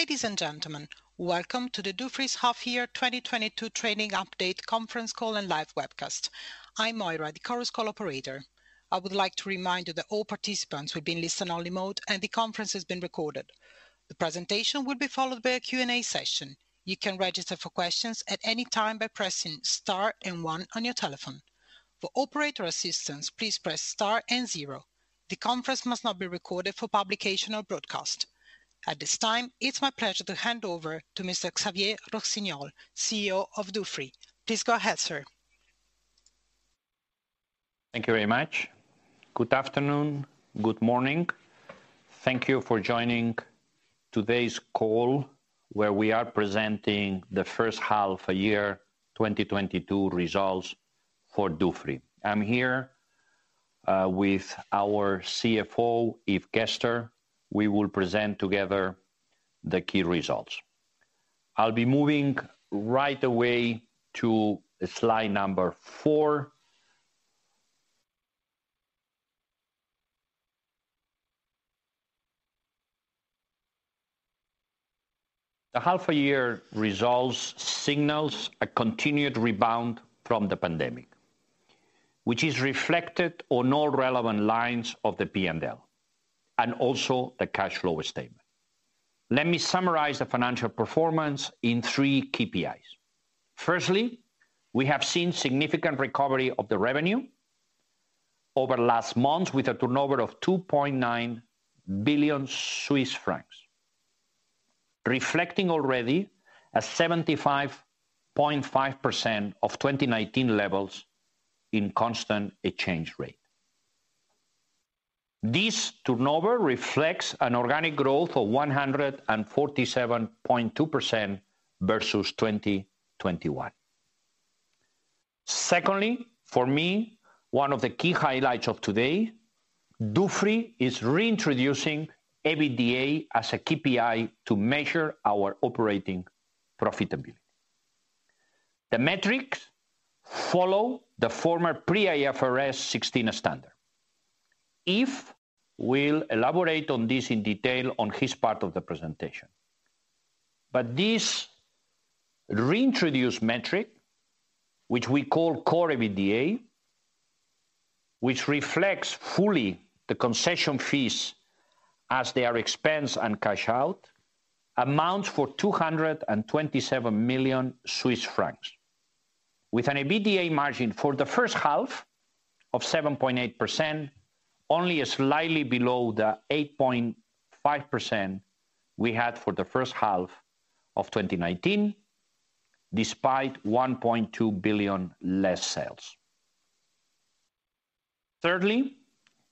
Ladies and gentlemen, welcome to the Dufry half year 2022 training update conference call and live webcast. I'm Moira, the Chorus Call operator. I would like to remind you that all participants will be in listen-only mode, and the conference is being recorded. The presentation will be followed by a Q&A session. You can register for questions at any time by pressing star and one on your telephone. For operator assistance, please press star and zero. The conference must not be recorded for publication or broadcast. At this time, it's my pleasure to hand over to Mr. Xavier Rossinyol, CEO of Dufry. Please go ahead, sir. Thank you very much. Good afternoon. Good morning. Thank you for joining today's call, where we are presenting the first half of 2022 results for Dufry. I'm here with our CFO, Yves Gerster. We will present together the key results. I'll be moving right away to slide four. The half-year results signal a continued rebound from the pandemic, which is reflected on all relevant lines of the P&L and also the cash flow statement. Let me summarize the financial performance in three KPIs. Firstly, we have seen significant recovery of the revenue over last month with a turnover of 2.9 billion Swiss francs, reflecting already a 75.5% of 2019 levels in constant exchange rate. This turnover reflects an organic growth of 147.2% versus 2021. Secondly, for me, one of the key highlights of today, Dufry is reintroducing EBITDA as a KPI to measure our operating profitability. The metrics follow the former pre-IFRS 16 standard. We'll elaborate on this in detail in this part of the presentation. This reintroduced metric, which we call core EBITDA, which reflects fully the concession fees as they are expensed and cash out, amounts to 227 million Swiss francs. With an EBITDA margin for the first half of 7.8%, only slightly below the 8.5% we had for the first half of 2019, despite 1.2 billion less sales. Thirdly,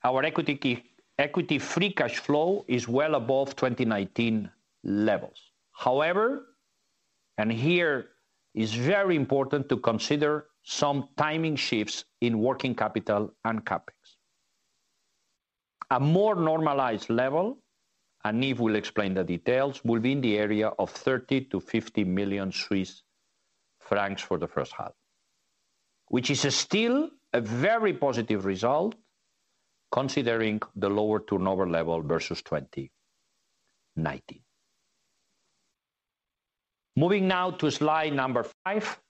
our equity free cash flow is well above 2019 levels. However, and here is very important to consider some timing shifts in working capital and CapEx. A more normalized level, and Yves will explain the details, will be in the area of 30 million-50 million Swiss francs for the first half, which is still a very positive result considering the lower turnover level versus 2019. Moving now to slide number five.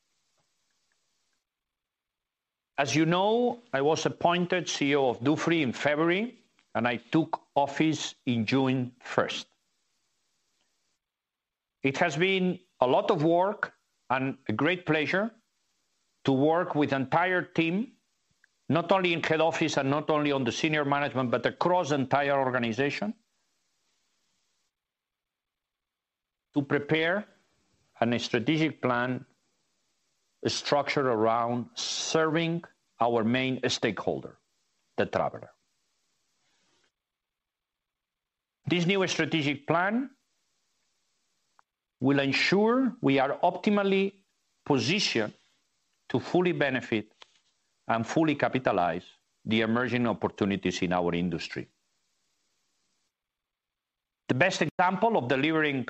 As you know, I was appointed CEO of Dufry in February, and I took office in June 1st. It has been a lot of work and a great pleasure to work with entire team, not only in head office and not only on the senior management, but across entire organization to prepare a strategic plan structured around serving our main stakeholder, the traveler. This new strategic plan will ensure we are optimally positioned to fully benefit and fully capitalize on the emerging opportunities in our industry. The best example of delivering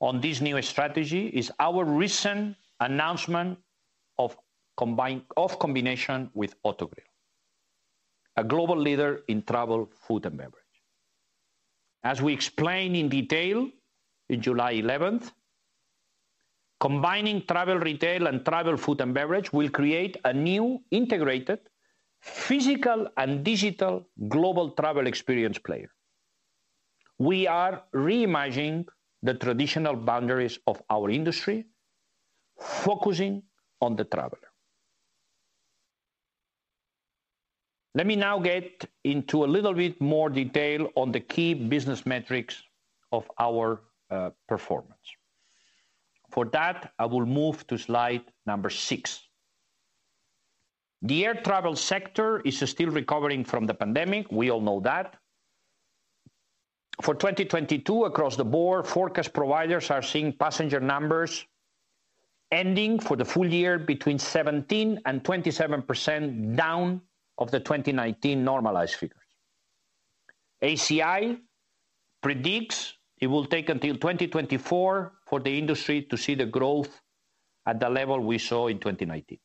on this new strategy is our recent announcement of combination with Autogrill, a global leader in travel Food & Beverage. As we explained in detail in July 11th, combining Travel Retail and travel Food & Beverage will create a new integrated physical and digital global travel experience player. We are reimagining the traditional boundaries of our industry, focusing on the traveler. Let me now get into a little bit more detail on the key business metrics of our performance. For that, I will move to slide number six. The air travel sector is still recovering from the pandemic. We all know that. For 2022, across the board, forecast providers are seeing passenger numbers ending the full year between 17%-27% down from the 2019 normalized figures. ACI predicts it will take until 2024 for the industry to see the growth at the level we saw in 2019.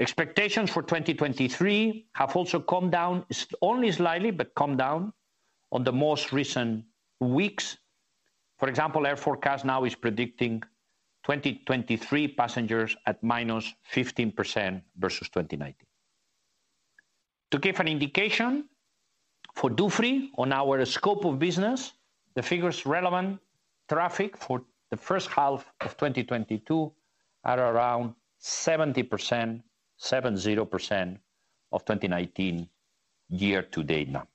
Expectations for 2023 have also come down only slightly, but come down in the most recent weeks. For example, air forecast now is predicting 2023 passengers at -15% versus 2019. To give an indication for Duty-Free on our scope of business, the figures relevant traffic for the first half of 2022 are around 70%, seven zero percent of 2019 year-to-date numbers.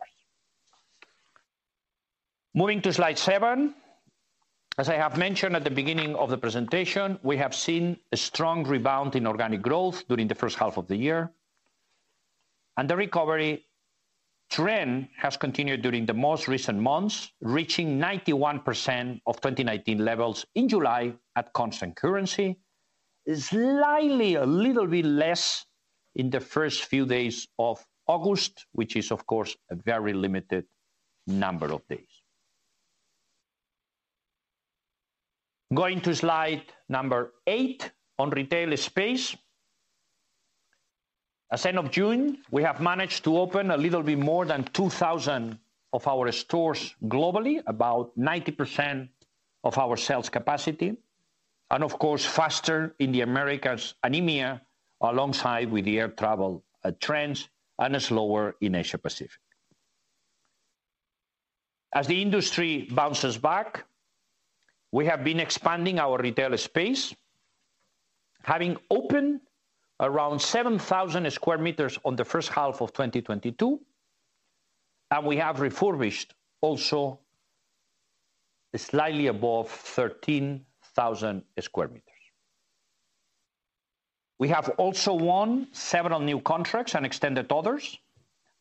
Moving to slide seven. As I have mentioned at the beginning of the presentation, we have seen a strong rebound in organic growth during the first half of the year. The recovery trend has continued during the most recent months, reaching 91% of 2019 levels in July at constant currency, slightly a little bit less in the first few days of August, which is of course a very limited number of days. Going to slide number eight on retail space. As of end of June, we have managed to open a little bit more than 2,000 of our stores globally, about 90% of our sales capacity, and of course, faster in the Americas and EMEA alongside with the air travel trends and slower in Asia-Pacific. As the industry bounces back, we have been expanding our retail space, having opened around 7,000 square meters in the first half of 2022, and we have refurbished also slightly above 13,000 square meters. We have also won several new contracts and extended others.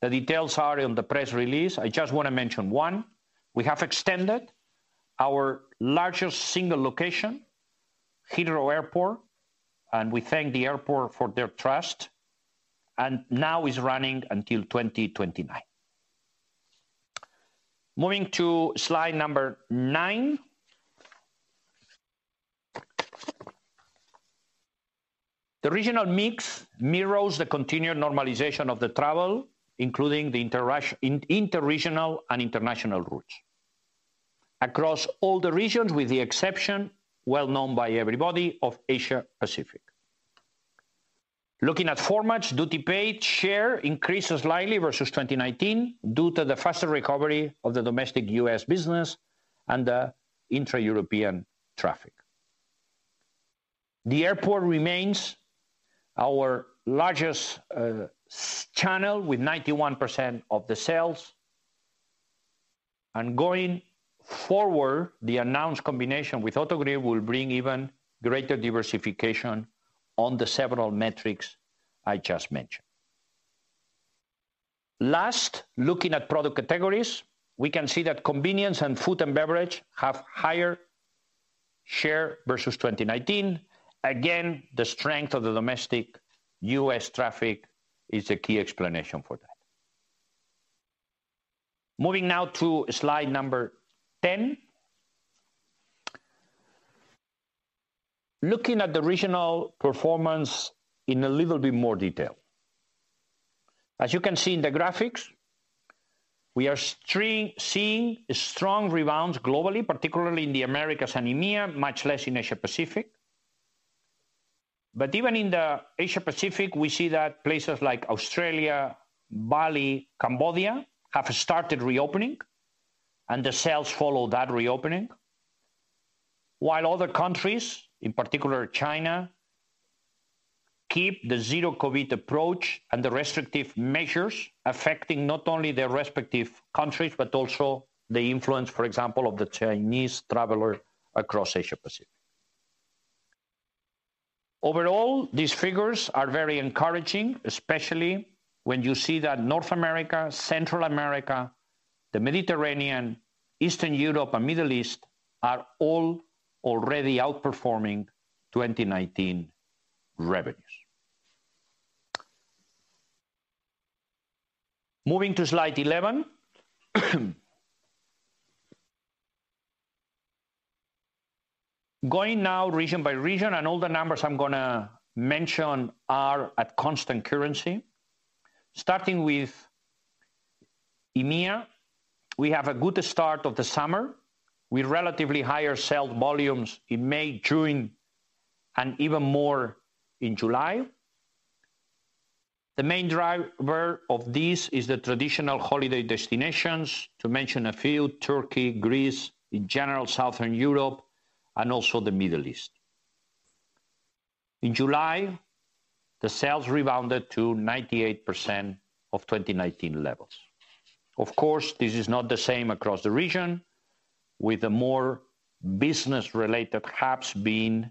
The details are in the press release. I just wanna mention one. We have extended our largest single location, Heathrow Airport, and we thank the airport for their trust, and now it's running until 2029. Moving to slide number nine. The regional mix mirrors the continued normalization of the travel, including the interregional and international routes across all the regions with the exception, well known by everybody, of Asia-Pacific. Looking at formats, Duty-Paid share increased slightly versus 2019 due to the faster recovery of the domestic U.S. business and intra-European traffic. The airport remains our largest channel with 91% of the sales. Going forward, the announced combination with Autogrill will bring even greater diversification on the several metrics I just mentioned. Last, looking at product categories, we can see that convenience and Food & Beverage have higher share versus 2019. Again, the strength of the domestic U.S. traffic is a key explanation for that. Moving now to slide 10. Looking at the regional performance in a little bit more detail. As you can see in the graphics, we are seeing strong rebounds globally, particularly in the Americas and EMEA, much less in Asia-Pacific. Even in the Asia-Pacific, we see that places like Australia, Bali, Cambodia have started reopening, and the sales follow that reopening. Other countries, in particular China, keep the zero-COVID approach and the restrictive measures affecting not only their respective countries, but also the influence, for example, of the Chinese traveler across Asia-Pacific. Overall, these figures are very encouraging, especially when you see that North America, Central America, the Mediterranean, Eastern Europe, and Middle East are all already outperforming 2019 revenues. Moving to slide 11. Going now region by region, and all the numbers I'm gonna mention are at constant currency. Starting with EMEA, we have a good start of the summer with relatively higher sales volumes in May, June, and even more in July. The main driver of this is the traditional holiday destinations. To mention a few, Turkey, Greece, in general Southern Europe, and also the Middle East. In July, the sales rebounded to 98% of 2019 levels. Of course, this is not the same across the region with the more business-related hubs being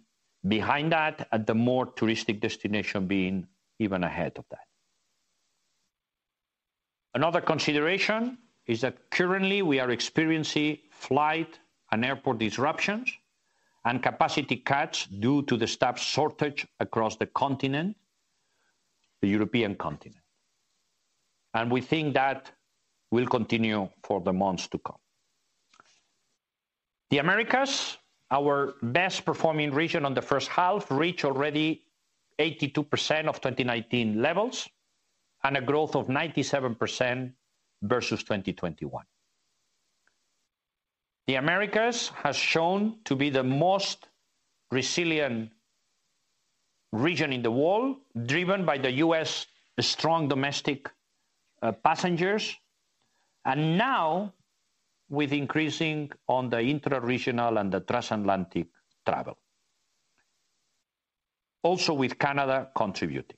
behind that at the more touristic destination being even ahead of that. Another consideration is that currently we are experiencing flight and airport disruptions and capacity cuts due to the staff shortage across the continent, the European continent, and we think that will continue for the months to come. The Americas, our best performing region on the first half, reach already 82% of 2019 levels and a growth of 97% versus 2021. The Americas has shown to be the most resilient region in the world, driven by the U.S. strong domestic passengers, and now with increasing on the intra-regional and the transatlantic travel. Also with Canada contributing.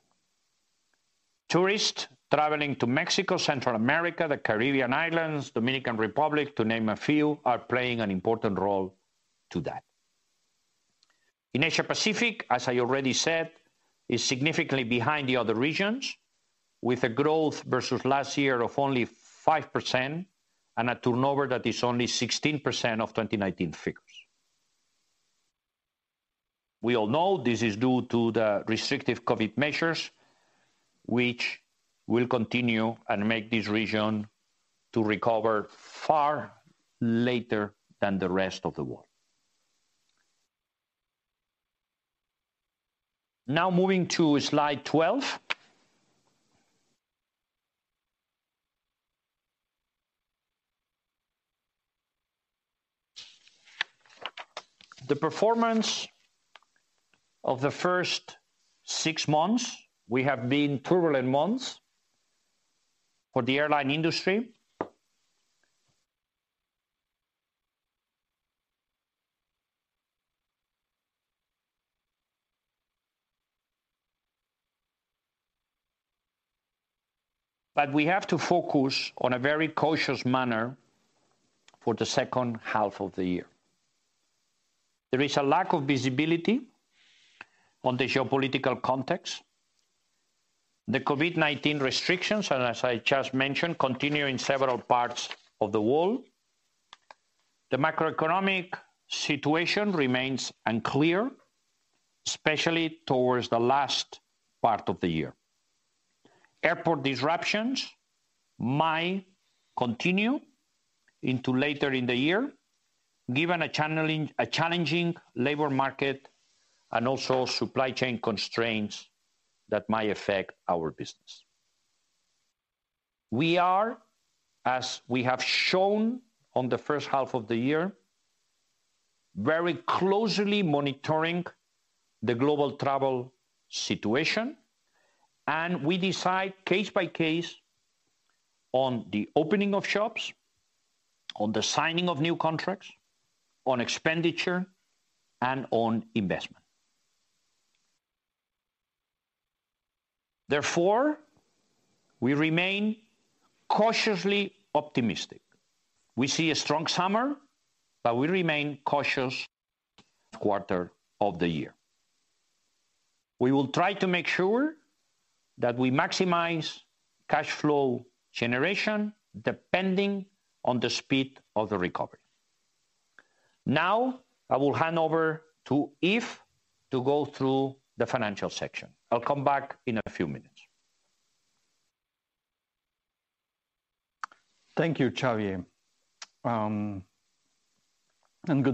Tourists traveling to Mexico, Central America, the Caribbean Islands, Dominican Republic, to name a few, are playing an important role to that. In Asia-Pacific, as I already said, is significantly behind the other regions, with a growth versus last year of only 5% and a turnover that is only 16% of 2019 figures. We all know this is due to the restrictive COVID-19 measures, which will continue and make this region to recover far later than the rest of the world. Now moving to slide 12. The performance of the first six months has been turbulent months for the airline industry. We have to focus on a very cautious manner for the second half of the year. There is a lack of visibility on the geopolitical context. The COVID-19 restrictions, and as I just mentioned, continue in several parts of the world. The macroeconomic situation remains unclear, especially towards the last part of the year. Airport disruptions might continue into later in the year, given a challenging labor market and also supply chain constraints that might affect our business. We are, as we have shown on the first half of the year, very closely monitoring the global travel situation, and we decide case by case on the opening of shops, on the signing of new contracts, on expenditure, and on investment. Therefore, we remain cautiously optimistic. We see a strong summer, but we remain cautious quarter of the year. We will try to make sure that we maximize cash flow generation depending on the speed of the recovery. Now, I will hand over to Yves to go through the financial section. I'll come back in a few minutes. Thank you, Xavier. Good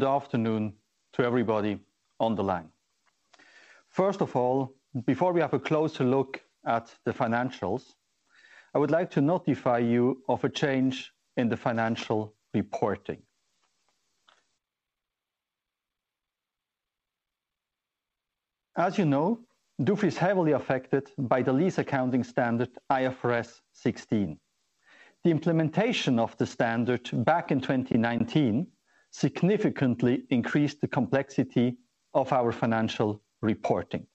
afternoon to everybody on the line. First of all, before we have a closer look at the financials, I would like to notify you of a change in the financial reporting. As you know, Dufry is heavily affected by the lease accounting standard IFRS 16. The implementation of the standard back in 2019 significantly increased the complexity of our financial reporting.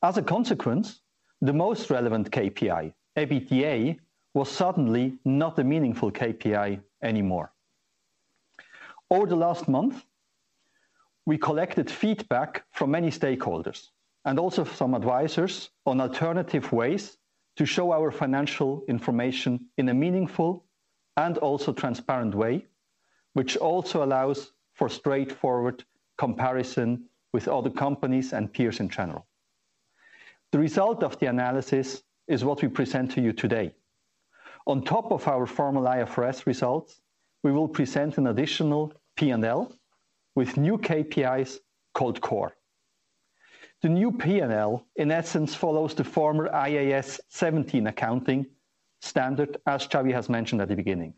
As a consequence, the most relevant KPI, EBITDA, was suddenly not a meaningful KPI anymore. Over the last month, we collected feedback from many stakeholders and also some advisors on alternative ways to show our financial information in a meaningful and also transparent way, which also allows for straightforward comparison with other companies and peers in general. The result of the analysis is what we present to you today. On top of our formal IFRS results, we will present an additional P&L with new KPIs called CORE. The new P&L, in essence, follows the former IAS 17 accounting standard, as Xavier has mentioned at the beginning,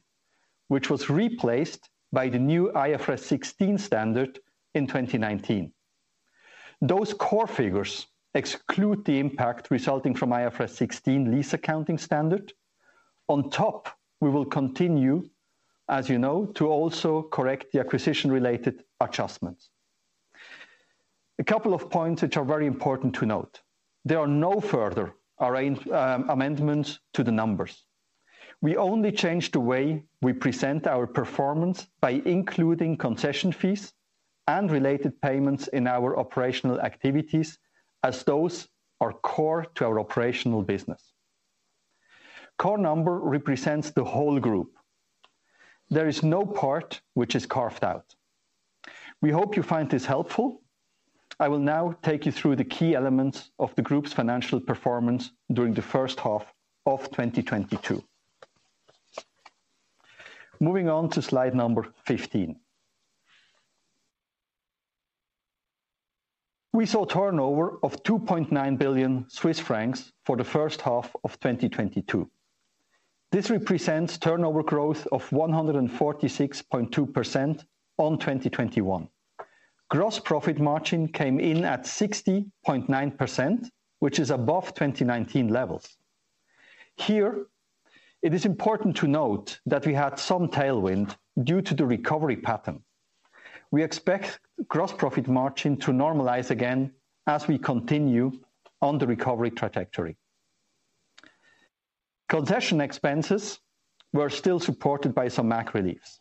which was replaced by the new IFRS 16 standard in 2019. Those CORE figures exclude the impact resulting from IFRS 16 lease accounting standard. On top, we will continue, as you know, to also correct the acquisition-related adjustments. A couple of points which are very important to note. There are no further amendments to the numbers. We only change the way we present our performance by including concession fees and related payments in our operational activities as those are core to our operational business. CORE number represents the whole group. There is no part which is carved out. We hope you find this helpful. I will now take you through the key elements of the group's financial performance during the first half of 2022. Moving on to slide number 15. We saw turnover of 2.9 billion Swiss francs for the first half of 2022. This represents turnover growth of 146.2% on 2021. Gross profit margin came in at 60.9%, which is above 2019 levels. Here, it is important to note that we had some tailwind due to the recovery pattern. We expect gross profit margin to normalize again as we continue on the recovery trajectory. Concession expenses were still supported by some MAG reliefs.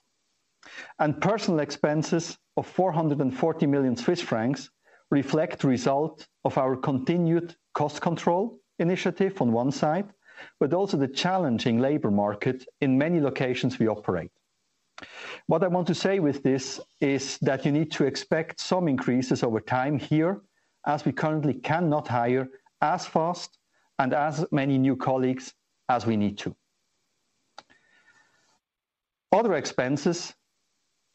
Personal expenses of 440 million Swiss francs reflect the result of our continued cost control initiative on one side, but also the challenging labor market in many locations we operate. What I want to say with this is that you need to expect some increases over time here, as we currently cannot hire as fast and as many new colleagues as we need to. Other expenses,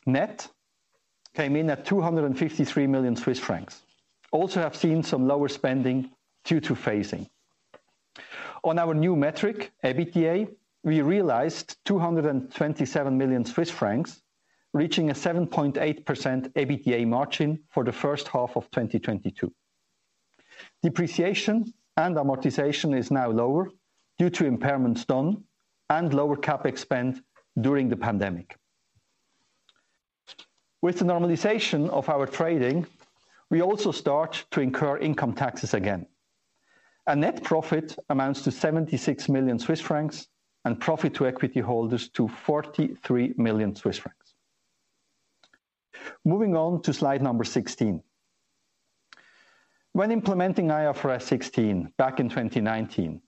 net came in at 253 million Swiss francs. Also have seen some lower spending due to phasing. On our new metric, EBITDA, we realized 227 million Swiss francs, reaching a 7.8% EBITDA margin for the first half of 2022. Depreciation and amortization is now lower due to impairments done and lower CapEx during the pandemic. With the normalization of our trading, we also start to incur income taxes again. A net profit amounts to 76 million Swiss francs and profit to equity holders to 43 million Swiss francs. Moving on to slide 16. When implementing IFRS 16 back in 2019,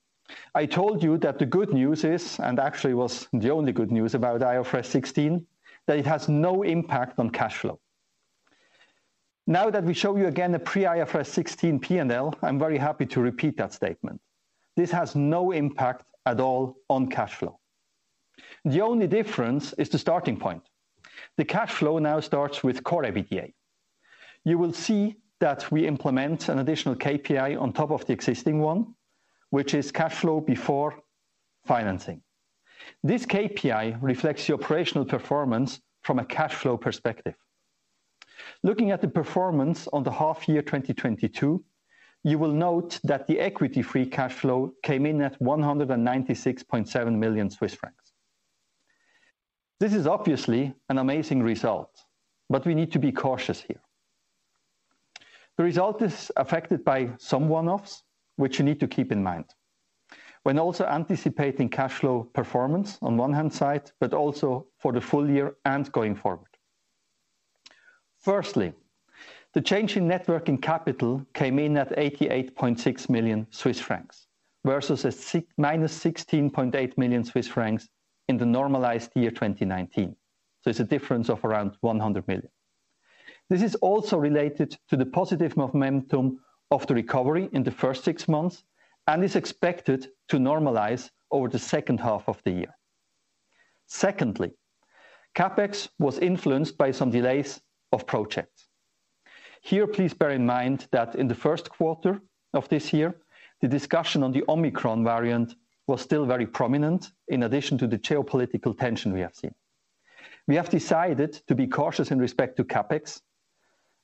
I told you that the good news is, and actually was the only good news about IFRS 16, that it has no impact on cash flow. Now that we show you again a pre-IFRS 16 P&L, I'm very happy to repeat that statement. This has no impact at all on cash flow. The only difference is the starting point. The cash flow now starts with CORE EBITDA. You will see that we implement an additional KPI on top of the existing one, which is cash flow before financing. This KPI reflects the operational performance from a cash flow perspective. Looking at the performance on the half year 2022, you will note that the Equity Free Cash Flow came in at 196.7 million Swiss francs. This is obviously an amazing result, but we need to be cautious here. The result is affected by some one-offs, which you need to keep in mind. When also anticipating cash flow performance on one hand side, but also for the full year and going forward. Firstly, the change in net working capital came in at 88.6 million Swiss francs, versus -16.8 million Swiss francs in the normalized year, 2019. There's a difference of around 100 million. This is also related to the positive momentum of the recovery in the first six months and is expected to normalize over the second half of the year. Secondly, CapEx was influenced by some delays of projects. Here, please bear in mind that in the first quarter of this year, the discussion on the Omicron variant was still very prominent in addition to the geopolitical tension we have seen. We have decided to be cautious in respect to CapEx,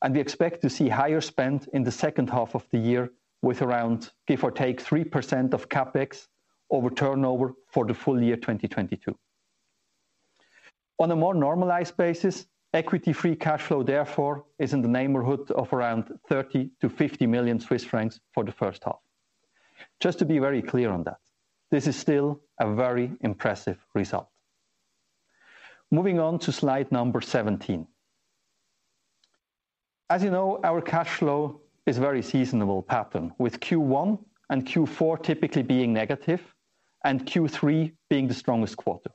and we expect to see higher spend in the second half of the year with around, give or take, 3% of CapEx over turnover for the full year 2022. On a more normalized basis, Equity Free Cash Flow, therefore, is in the neighborhood of around 30 million-50 million Swiss francs for the first half. Just to be very clear on that, this is still a very impressive result. Moving on to slide number 17. As you know, our cash flow is very seasonal pattern, with Q1 and Q4 typically being negative and Q3 being the strongest quarter.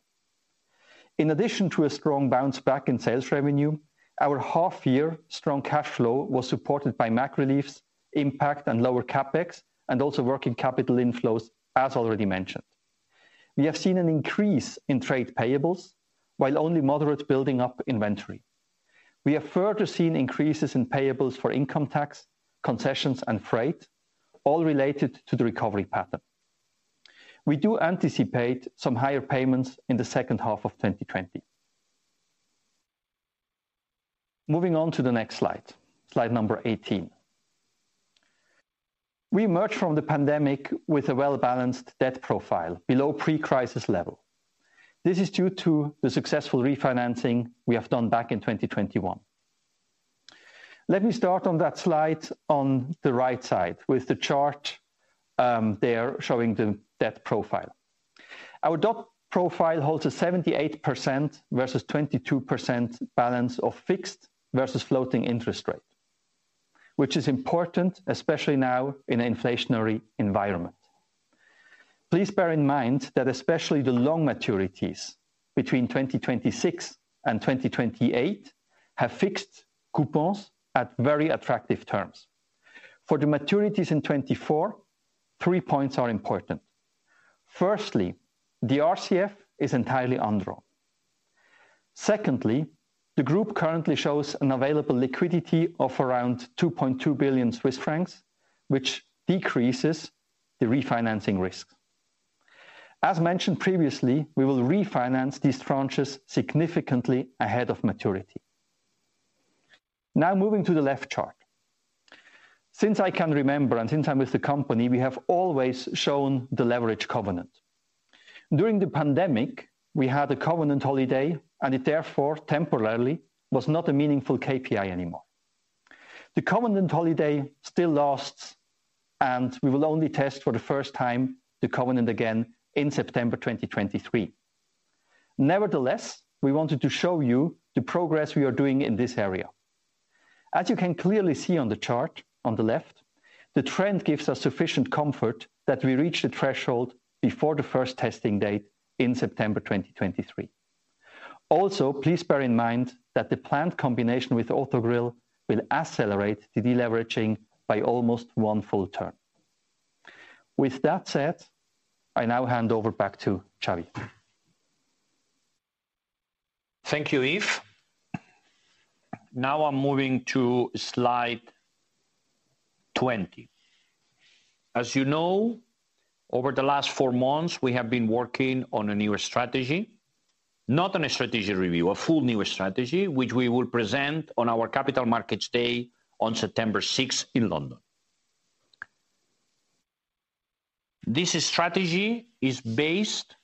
In addition to a strong bounce back in sales revenue, our half year strong cash flow was supported by MAG reliefs, impact and lower CapEx, and also working capital inflows, as already mentioned. We have seen an increase in trade payables while only moderate building up inventory. We have further seen increases in payables for income tax, concessions, and freight, all related to the recovery pattern. We do anticipate some higher payments in the second half of 2020. Moving on to the next slide number 18. We emerged from the pandemic with a well-balanced debt profile below pre-crisis level. This is due to the successful refinancing we have done back in 2021. Let me start on that slide on the right side with the chart, there showing the debt profile. Our debt profile holds a 78% versus 22% balance of fixed versus floating interest rate, which is important especially now in an inflationary environment. Please bear in mind that especially the long maturities between 2026 and 2028 have fixed coupons at very attractive terms. For the maturities in 2024, three points are important. Firstly, the RCF is entirely undrawn. Secondly, the group currently shows an available liquidity of around 2.2 billion Swiss francs, which decreases the refinancing risk. As mentioned previously, we will refinance these tranches significantly ahead of maturity. Now, moving to the left chart. Since I can remember and since I'm with the company, we have always shown the leverage covenant. During the pandemic, we had a covenant holiday, and it therefore temporarily was not a meaningful KPI anymore. The covenant holiday still lasts, and we will only test for the first time the covenant again in September 2023. Nevertheless, we wanted to show you the progress we are doing in this area. As you can clearly see on the chart on the left, the trend gives us sufficient comfort that we reach the threshold before the first testing date in September 2023. Also, please bear in mind that the planned combination with Autogrill will accelerate the deleveraging by almost one full term. With that said, I now hand over back to Xavier. Thank you, Yves. Now I'm moving to slide 20. As you know, over the last four months, we have been working on a new strategy. Not on a strategy review, a full new strategy, which we will present on our Capital Markets Day on September 6th in London. This strategy is based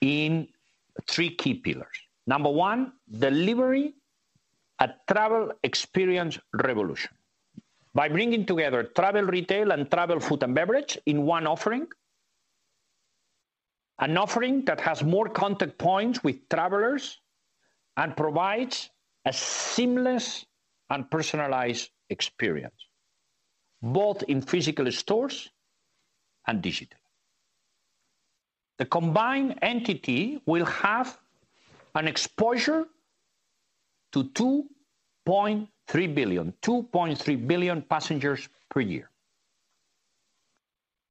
in three key pillars. Number one, delivering a travel experience revolution by bringing together Travel Retail and travel Food & Beverage in one offering. An offering that has more contact points with travelers and provides a seamless and personalized experience, both in physical stores and digital. The combined entity will have an exposure to 2.3 billion passengers per year.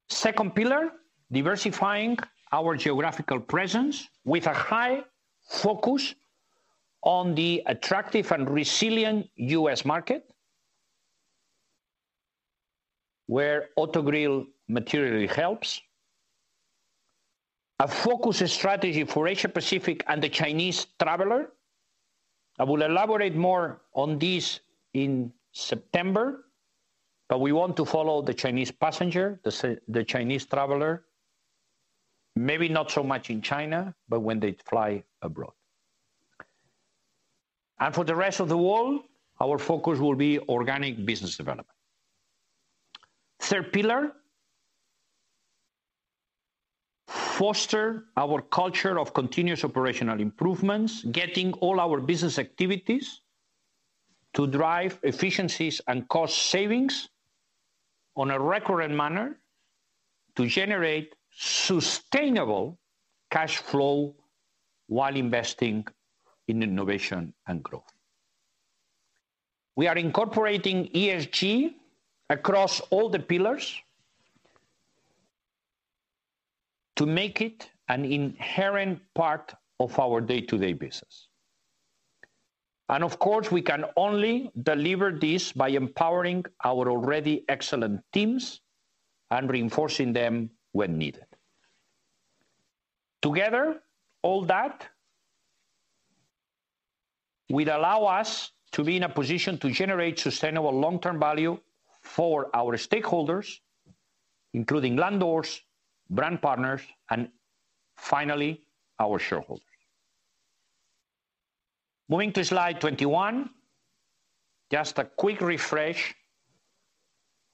Second pillar, diversifying our geographical presence with a high focus on the attractive and resilient U.S. market, where Autogrill materially helps. A focus strategy for Asia-Pacific and the Chinese traveler. I will elaborate more on this in September, but we want to follow the Chinese passenger, the Chinese traveler, maybe not so much in China, but when they fly abroad. For the rest of the world, our focus will be organic business development. Third pillar, foster our culture of continuous operational improvements, getting all our business activities to drive efficiencies and cost savings on a recurrent manner to generate sustainable cash flow while investing in innovation and growth. We are incorporating ESG across all the pillars to make it an inherent part of our day-to-day business. Of course, we can only deliver this by empowering our already excellent teams and reinforcing them when needed. Together, all that will allow us to be in a position to generate sustainable long-term value for our stakeholders, including landlords, brand partners, and finally, our shareholders. Moving to slide 21. Just a quick refresh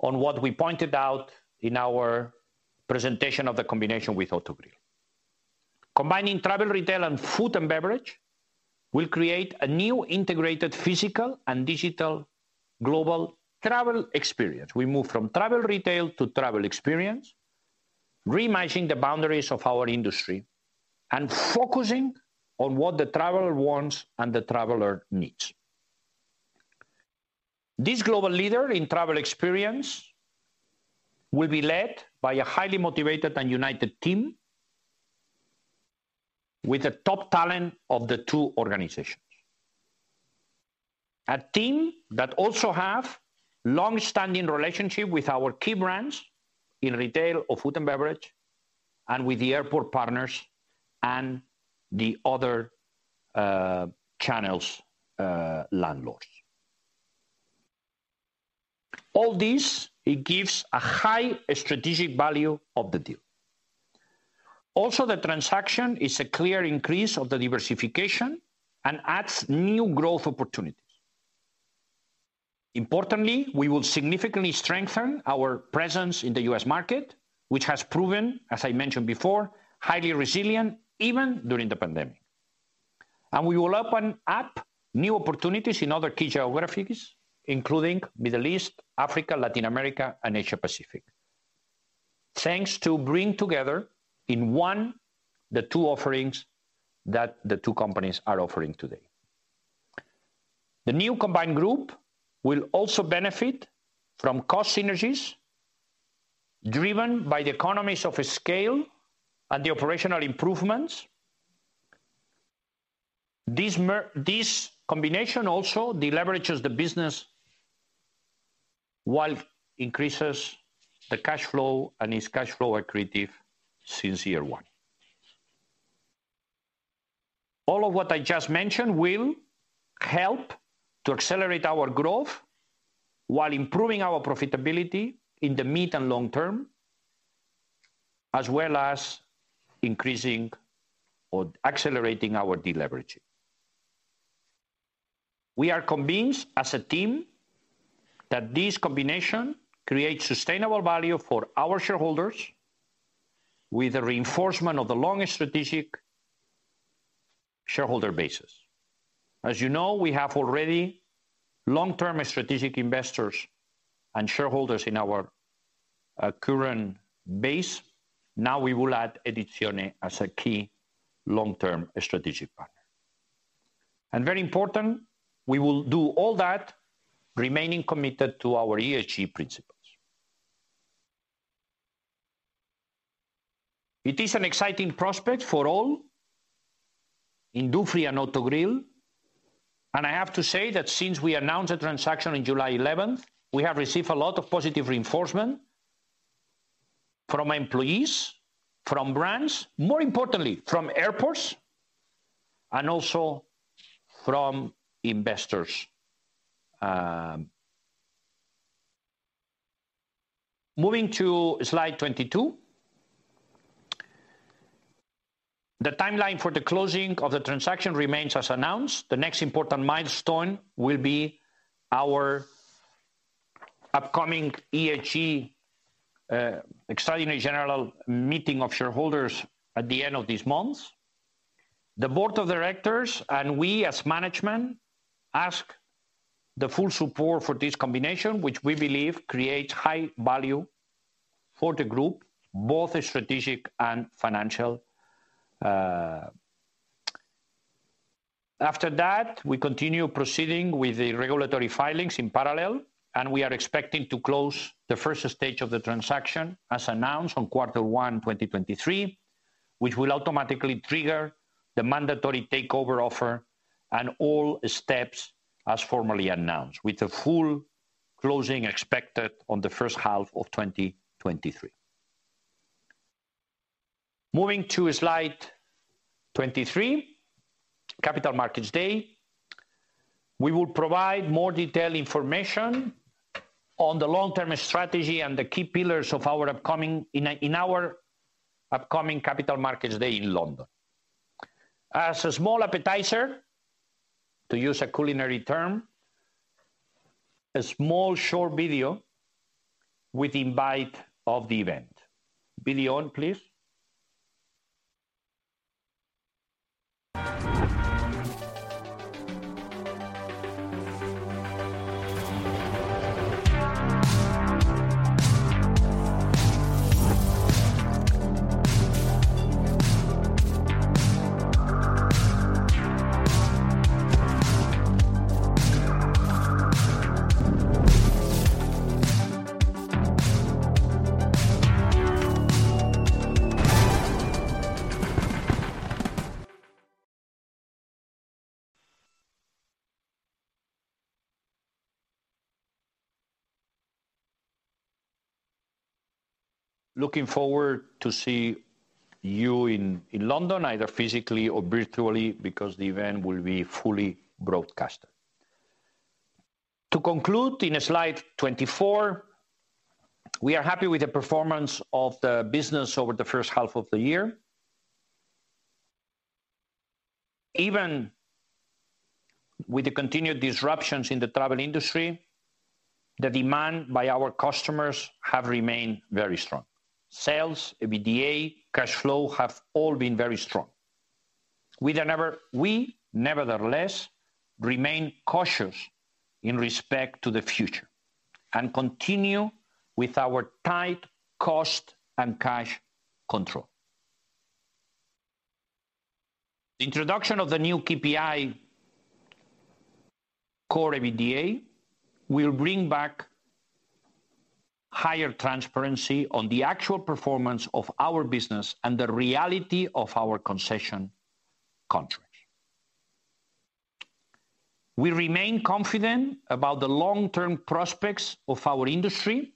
on what we pointed out in our presentation of the combination with Autogrill. Combining Travel Retail and Food & Beverage will create a new integrated physical and digital global travel experience. We move from Travel Retail to travel experience, reimagining the boundaries of our industry and focusing on what the traveler wants and the traveler needs. This global leader in travel experience will be led by a highly motivated and united team with the top talent of the two organizations. A team that also have long-standing relationship with our key brands in retail of Food & Beverage and with the airport partners and the other, channels', landlords. All this, it gives a high strategic value of the deal. Also, the transaction is a clear increase of the diversification and adds new growth opportunities. Importantly, we will significantly strengthen our presence in the U.S. market, which has proven, as I mentioned before, highly resilient even during the pandemic. We will open up new opportunities in other key geographies, including Middle East, Africa, Latin America and Asia-Pacific. Thanks to bringing together in one the two offerings that the two companies are offering today. The new combined group will also benefit from cost synergies driven by the economies of scale and the operational improvements. These combination also deleverages the business while increases the cash flow and is cash flow accretive since year one. All of what I just mentioned will help to accelerate our growth while improving our profitability in the mid and long term, as well as increasing or accelerating our deleveraging. We are convinced as a team that this combination creates sustainable value for our shareholders with the reinforcement of the long strategic shareholder basis. As you know, we have already long-term strategic investors and shareholders in our current base. Now we will add Edizione as a key long-term strategic partner. Very important, we will do all that remaining committed to our ESG principles. It is an exciting prospect for all in Dufry and Autogrill, and I have to say that since we announced the transaction in July 11, we have received a lot of positive reinforcement from employees, from brands, more importantly, from airports, and also from investors. Moving to slide 22. The timeline for the closing of the transaction remains as announced. The next important milestone will be our upcoming EGM, extraordinary general meeting of shareholders at the end of this month. The Board of Directors and we as management ask the full support for this combination, which we believe creates high value for the group, both strategic and financial. After that, we continue proceeding with the regulatory filings in parallel, and we are expecting to close the first stage of the transaction as announced on Q1 2023, which will automatically trigger the mandatory takeover offer and all steps as formally announced, with the full closing expected on the first half of 2023. Moving to slide 23, Capital Markets Day, we will provide more detailed information on the long-term strategy and the key pillars of our upcoming Capital Markets Day in London. As a small appetizer, to use a culinary term, a small short video with invite of the event. Video on, please. Looking forward to see you in London, either physically or virtually, because the event will be fully broadcasted. To conclude in slide 24, we are happy with the performance of the business over the first half of the year. Even with the continued disruptions in the travel industry, the demand by our customers have remained very strong. Sales, EBITDA, cash flow have all been very strong. We, nevertheless, remain cautious in respect to the future and continue with our tight cost and cash control. Introduction of the new KPI, CORE EBITDA, will bring back higher transparency on the actual performance of our business and the reality of our concession contract. We remain confident about the long-term prospects of our industry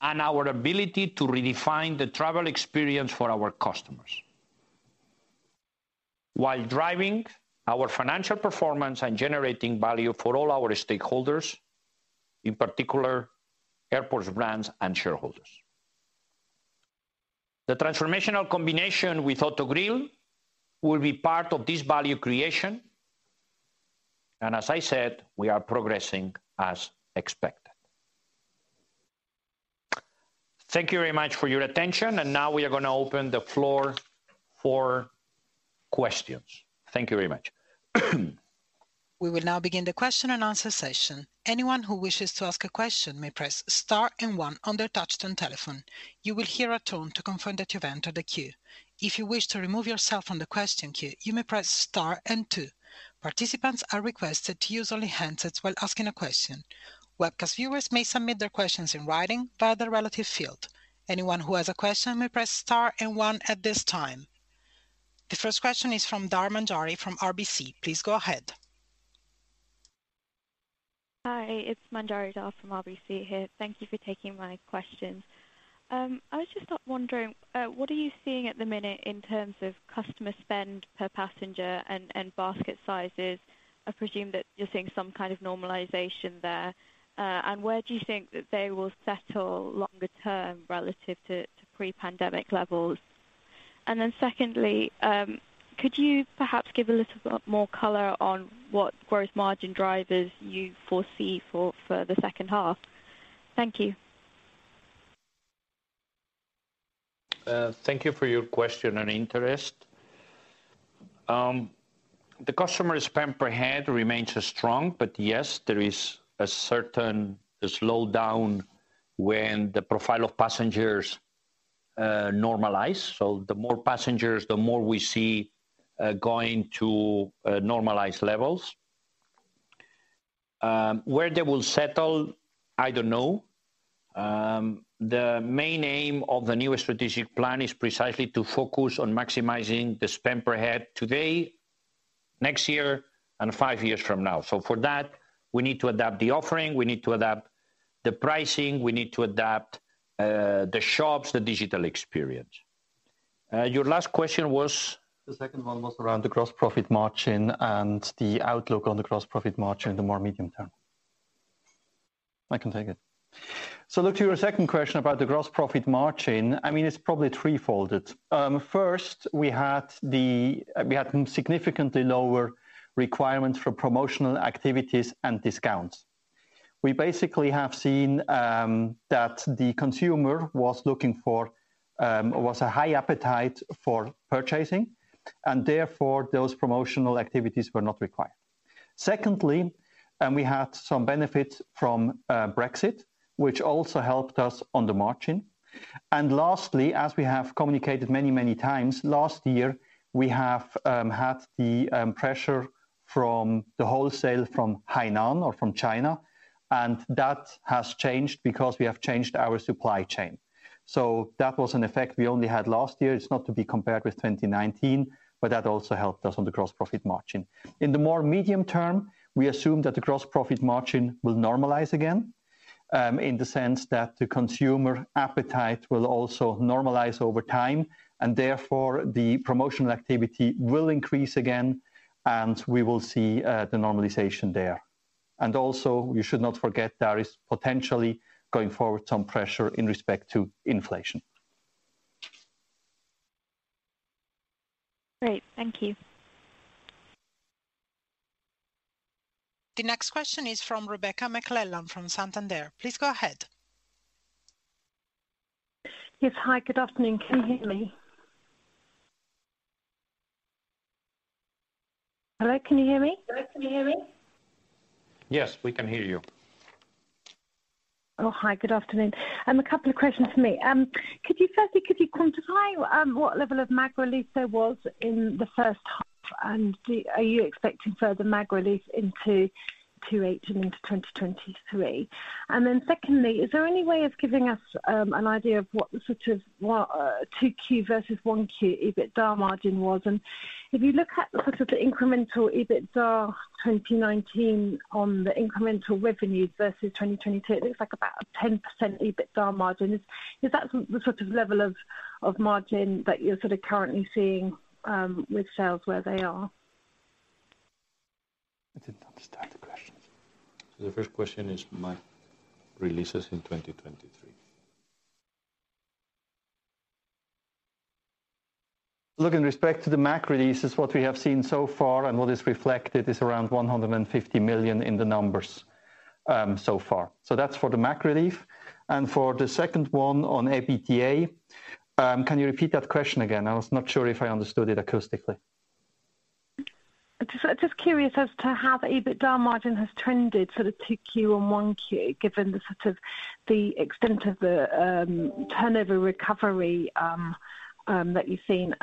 and our ability to redefine the travel experience for our customers while driving our financial performance and generating value for all our stakeholders, in particular, airports, brands, and shareholders. The transformational combination with Autogrill will be part of this value creation. As I said, we are progressing as expected. Thank you very much for your attention, and now we are gonna open the floor for questions. Thank you very much. We will now begin the question and answer session. Anyone who wishes to ask a question may press star and one on their touchtone telephone. You will hear a tone to confirm that you've entered the queue. If you wish to remove yourself from the question queue, you may press star and two. Participants are requested to use only handsets while asking a question. Webcast viewers may submit their questions in writing via the relevant field. Anyone who has a question may press star and one at this time. The first question is from Manjari Dhar from RBC. Please go ahead. Hi. It's Manjari Dhar from RBC here. Thank you for taking my questions. I was just wondering what are you seeing at the minute in terms of customer spend per passenger and basket sizes? I presume that you're seeing some kind of normalization there. Where do you think that they will settle longer term relative to pre-pandemic levels? Secondly, could you perhaps give a little bit more color on what growth margin drivers you foresee for the second half? Thank you. Thank you for your question and interest. The customer spend per head remains strong. Yes, there is a certain slowdown when the profile of passengers normalize. The more passengers, the more we see going to normalized levels. Where they will settle, I don't know. The main aim of the new strategic plan is precisely to focus on maximizing the spend per head today, next year, and five years from now. For that, we need to adapt the offering, we need to adapt the pricing, we need to adapt the shops, the digital experience. Your last question was? The second one was around the gross profit margin and the outlook on the gross profit margin in the more medium term. I can take it. Look, to your second question about the gross profit margin, I mean, it's probably threefold. First, we had significantly lower requirements for promotional activities and discounts. We basically have seen that the consumer was looking for a high appetite for purchasing, and therefore, those promotional activities were not required. Secondly, we had some benefits from Brexit, which also helped us on the margin. Lastly, as we have communicated many times last year, we have had the pressure from the wholesale from Hainan or from China, and that has changed because we have changed our supply chain. That was an effect we only had last year. It's not to be compared with 2019, but that also helped us on the gross profit margin. In the more medium term, we assume that the gross profit margin will normalize again, in the sense that the consumer appetite will also normalize over time, and therefore the promotional activity will increase again, and we will see the normalization there. We should not forget there is potentially going forward some pressure in respect to inflation. Great. Thank you. The next question is from Rebecca McClellan from Santander. Please go ahead. Yes. Hi, good afternoon. Can you hear me? Hello, can you hear me? Hello, can you hear me? Yes, we can hear you. Oh, hi. Good afternoon. A couple of questions from me. Could you firstly quantify what level of MAG release there was in the first half, and are you expecting further MAG release into 2H into 2023? Secondly, is there any way of giving us an idea of what sort of 2Q versus 1Q EBITDA margin was? If you look at the sort of the incremental EBITDA 2019 on the incremental revenue versus 2022, it looks like about a 10% EBITDA margin. Is that the sort of level of margin that you're sort of currently seeing with sales where they are? I didn't understand the questions. The first question is MAG releases in 2023. Look, in respect to the MAG releases, what we have seen so far and what is reflected is around 150 million in the numbers, so far. That's for the MAG relief. For the second one on EBITDA, can you repeat that question again? I was not sure if I understood it acoustically. Just curious as to how the EBITDA margin has trended sort of 2Q and 1Q, given the sort of extent of the turnover recovery that you've seen.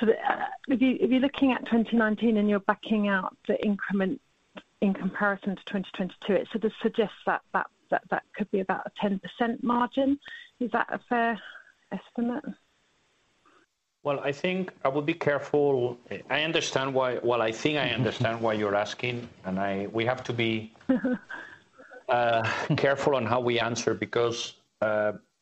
If you're looking at 2019 and you're backing out the increment in comparison to 2022, it sort of suggests that that could be about a 10% margin. Is that a fair estimate? Well, I think I would be careful. I understand why you're asking, and we have to be careful on how we answer because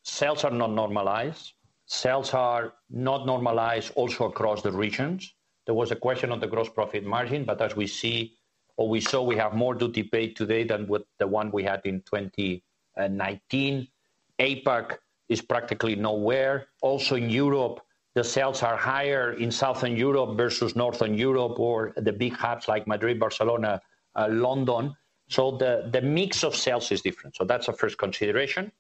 sales are not normalized. Sales are not normalized also across the regions. There was a question on the gross profit margin, but as we see or we saw, we have more to debate today than with the one we had in 2019. APAC is practically nowhere. Also in Europe, the sales are higher in Southern Europe versus Northern Europe or the big hubs like Madrid, Barcelona, London. The mix of sales is different. That's our first consideration.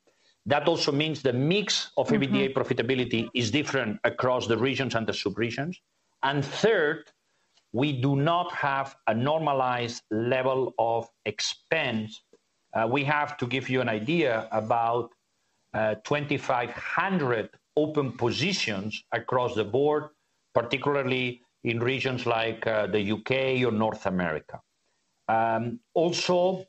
That also means the mix of EBITDA profitability is different across the regions and the sub-regions. Third, we do not have a normalized level of expense. We have to give you an idea about 2,500 open positions across the board, particularly in regions like the U.K. or North America. Also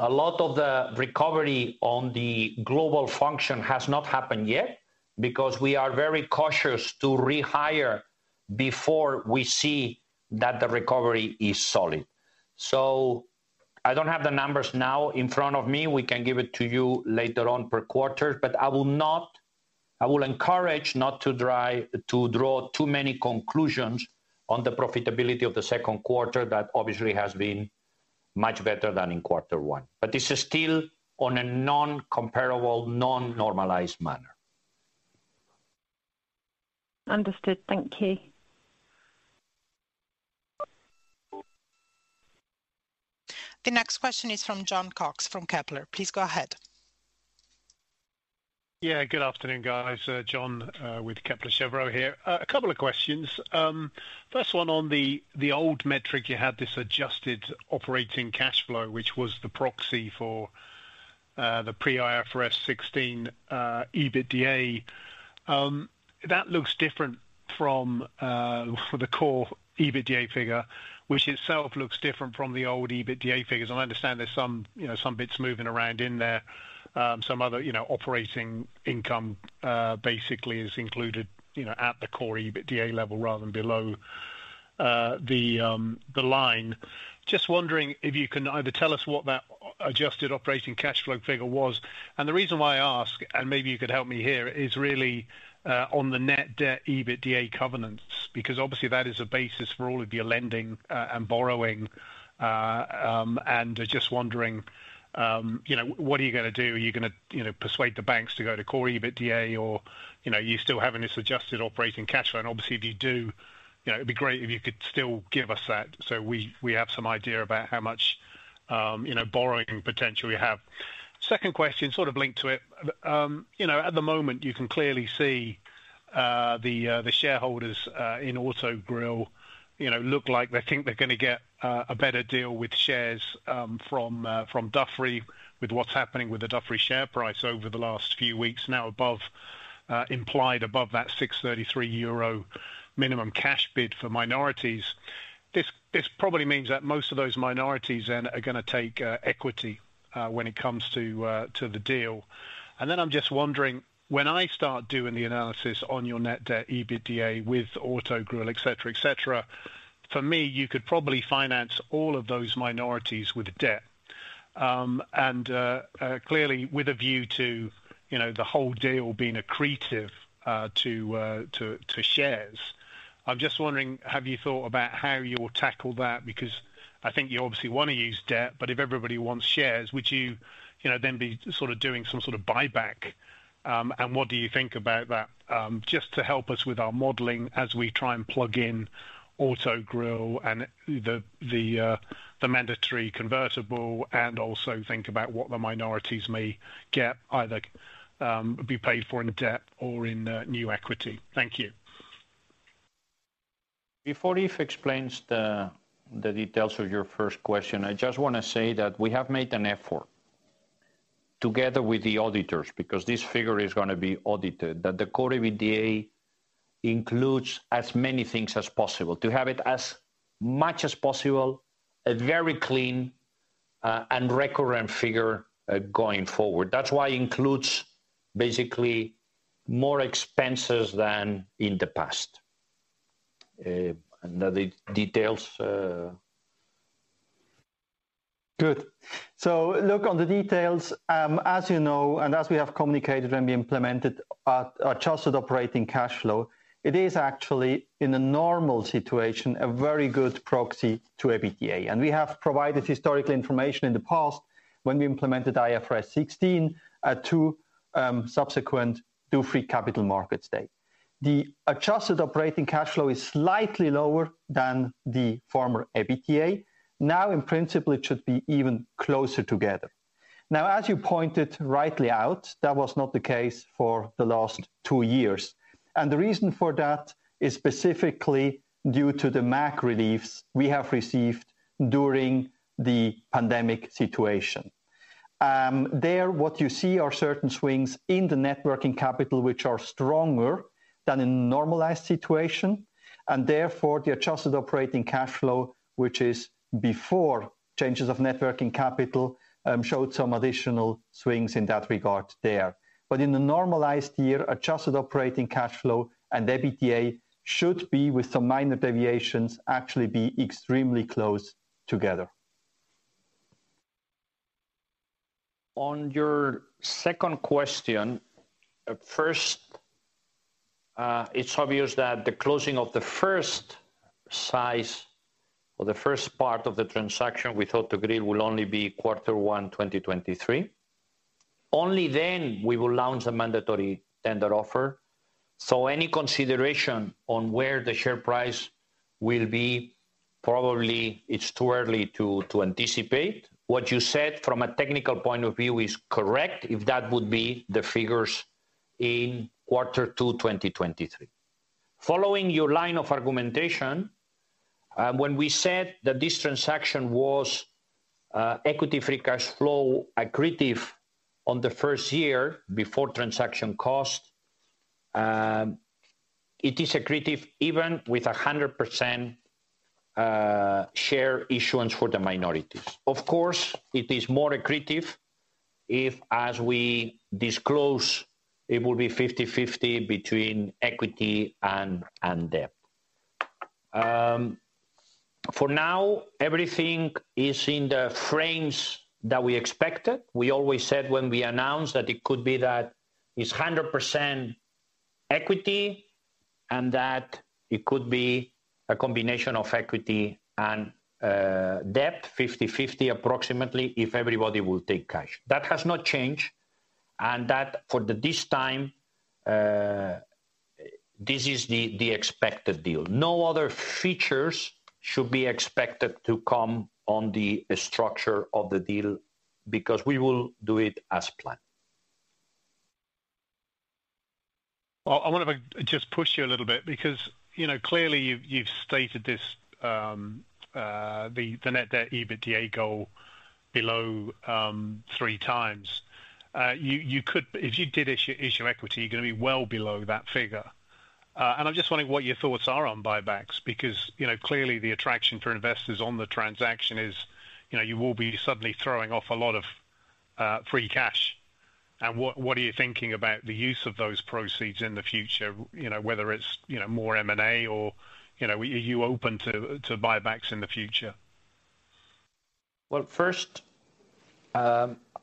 a lot of the recovery on the global function has not happened yet because we are very cautious to rehire before we see that the recovery is solid. I don't have the numbers now in front of me, we can give it to you later on per quarter, but I will encourage not to try to draw too many conclusions on the profitability of the second quarter that obviously has been much better than in quarter one. This is still on a non-comparable, non-normalized manner. Understood. Thank you. The next question is from Jon Cox from Kepler. Please go ahead. Yeah, good afternoon, guys. Jon with Kepler Cheuvreux here. A couple of questions. First one on the old metric, you had this adjusted operating cash flow, which was the proxy for the pre-IFRS 16 EBITDA. That looks different from the CORE EBITDA figure, which itself looks different from the old EBITDA figures. I understand there's some, you know, some bits moving around in there. Some other, you know, operating income basically is included, you know, at the CORE EBITDA level rather than below the line. Just wondering if you can either tell us what that adjusted operating cash flow figure was. The reason why I ask, and maybe you could help me here, is really on the net debt EBITDA covenants, because obviously that is a basis for all of your lending and borrowing. Just wondering, you know, what are you gonna do? Are you gonna, you know, persuade the banks to go to CORE EBITDA or, you know, you still having this adjusted operating cash flow? Obviously, if you do, you know, it'd be great if you could still give us that so we have some idea about how much, you know, borrowing potential you have. Second question, sort of linked to it. You know, at the moment, you can clearly see the shareholders in Autogrill. You know, look like they think they're gonna get a better deal with shares from Dufry with what's happening with the Dufry share price over the last few weeks. Now, implied above that 6.33 euro minimum cash bid for minorities. This probably means that most of those minorities then are gonna take equity when it comes to the deal. I'm just wondering, when I start doing the analysis on your net debt EBITDA with Autogrill, et cetera, for me, you could probably finance all of those minorities with debt. Clearly with a view to, you know, the whole deal being accretive to shares. I'm just wondering, have you thought about how you'll tackle that? Because I think you obviously wanna use debt, but if everybody wants shares, would you know, then be sort of doing some sort of buyback? And what do you think about that? Just to help us with our modeling as we try and plug in Autogrill and the mandatory convertible and also think about what the minorities may get, either be paid for in debt or in new equity. Thank you. Before Yves explains the details of your first question, I just wanna say that we have made an effort together with the auditors, because this figure is gonna be audited, that the CORE EBITDA includes as many things as possible to have it as much as possible, a very clean and recurrent figure going forward. That's why includes basically more expenses than in the past. And the details. Good. Look on the details, as you know, and as we have communicated when we implemented our adjusted operating cash flow, it is actually in a normal situation, a very good proxy to EBITDA. We have provided historical information in the past when we implemented IFRS 16, subsequent to Capital Markets Day. The adjusted operating cash flow is slightly lower than the former EBITDA. Now, in principle, it should be even closer together. Now, as you pointed rightly out, that was not the case for the last two years. The reason for that is specifically due to the MAG reliefs we have received during the pandemic situation. There, what you see are certain swings in the net working capital, which are stronger than in normalized situation, and therefore, the adjusted operating cash flow, which is before changes of net working capital, showed some additional swings in that regard there. In a normalized year, adjusted operating cash flow and EBITDA should be with some minor deviations, actually be extremely close together. On your second question, first, it's obvious that the closing of the first phase or the first part of the transaction with Autogrill will only be quarter one 2023. Only then we will launch a mandatory tender offer. Any consideration on where the share price will be, probably it's too early to anticipate. What you said from a technical point of view is correct, if that would be the figures in quarter two 2023. Following your line of argumentation, when we said that this transaction was Equity Free Cash Flow accretive on the first year before transaction cost, it is accretive even with 100% share issuance for the minorities. Of course, it is more accretive if, as we disclose, it will be 50/50 between equity and debt. For now, everything is in the frame that we expected. We always said when we announced that it could be that it's 100% equity and that it could be a combination of equity and debt, 50/50 approximately, if everybody will take cash. That has not changed, and for this time, this is the expected deal. No other features should be expected to come on the structure of the deal, because we will do it as planned. Well, I wanna just push you a little bit because, you know, clearly you've stated this, the net debt EBITDA goal below 3x. You could. If you did issue equity, you're gonna be well below that figure. I'm just wondering what your thoughts are on buybacks because, you know, clearly the attraction for investors on the transaction is, you know, you will be suddenly throwing off a lot of free cash. What are you thinking about the use of those proceeds in the future, you know, whether it's, you know, more M&A or, you know, are you open to buybacks in the future? Well, first, I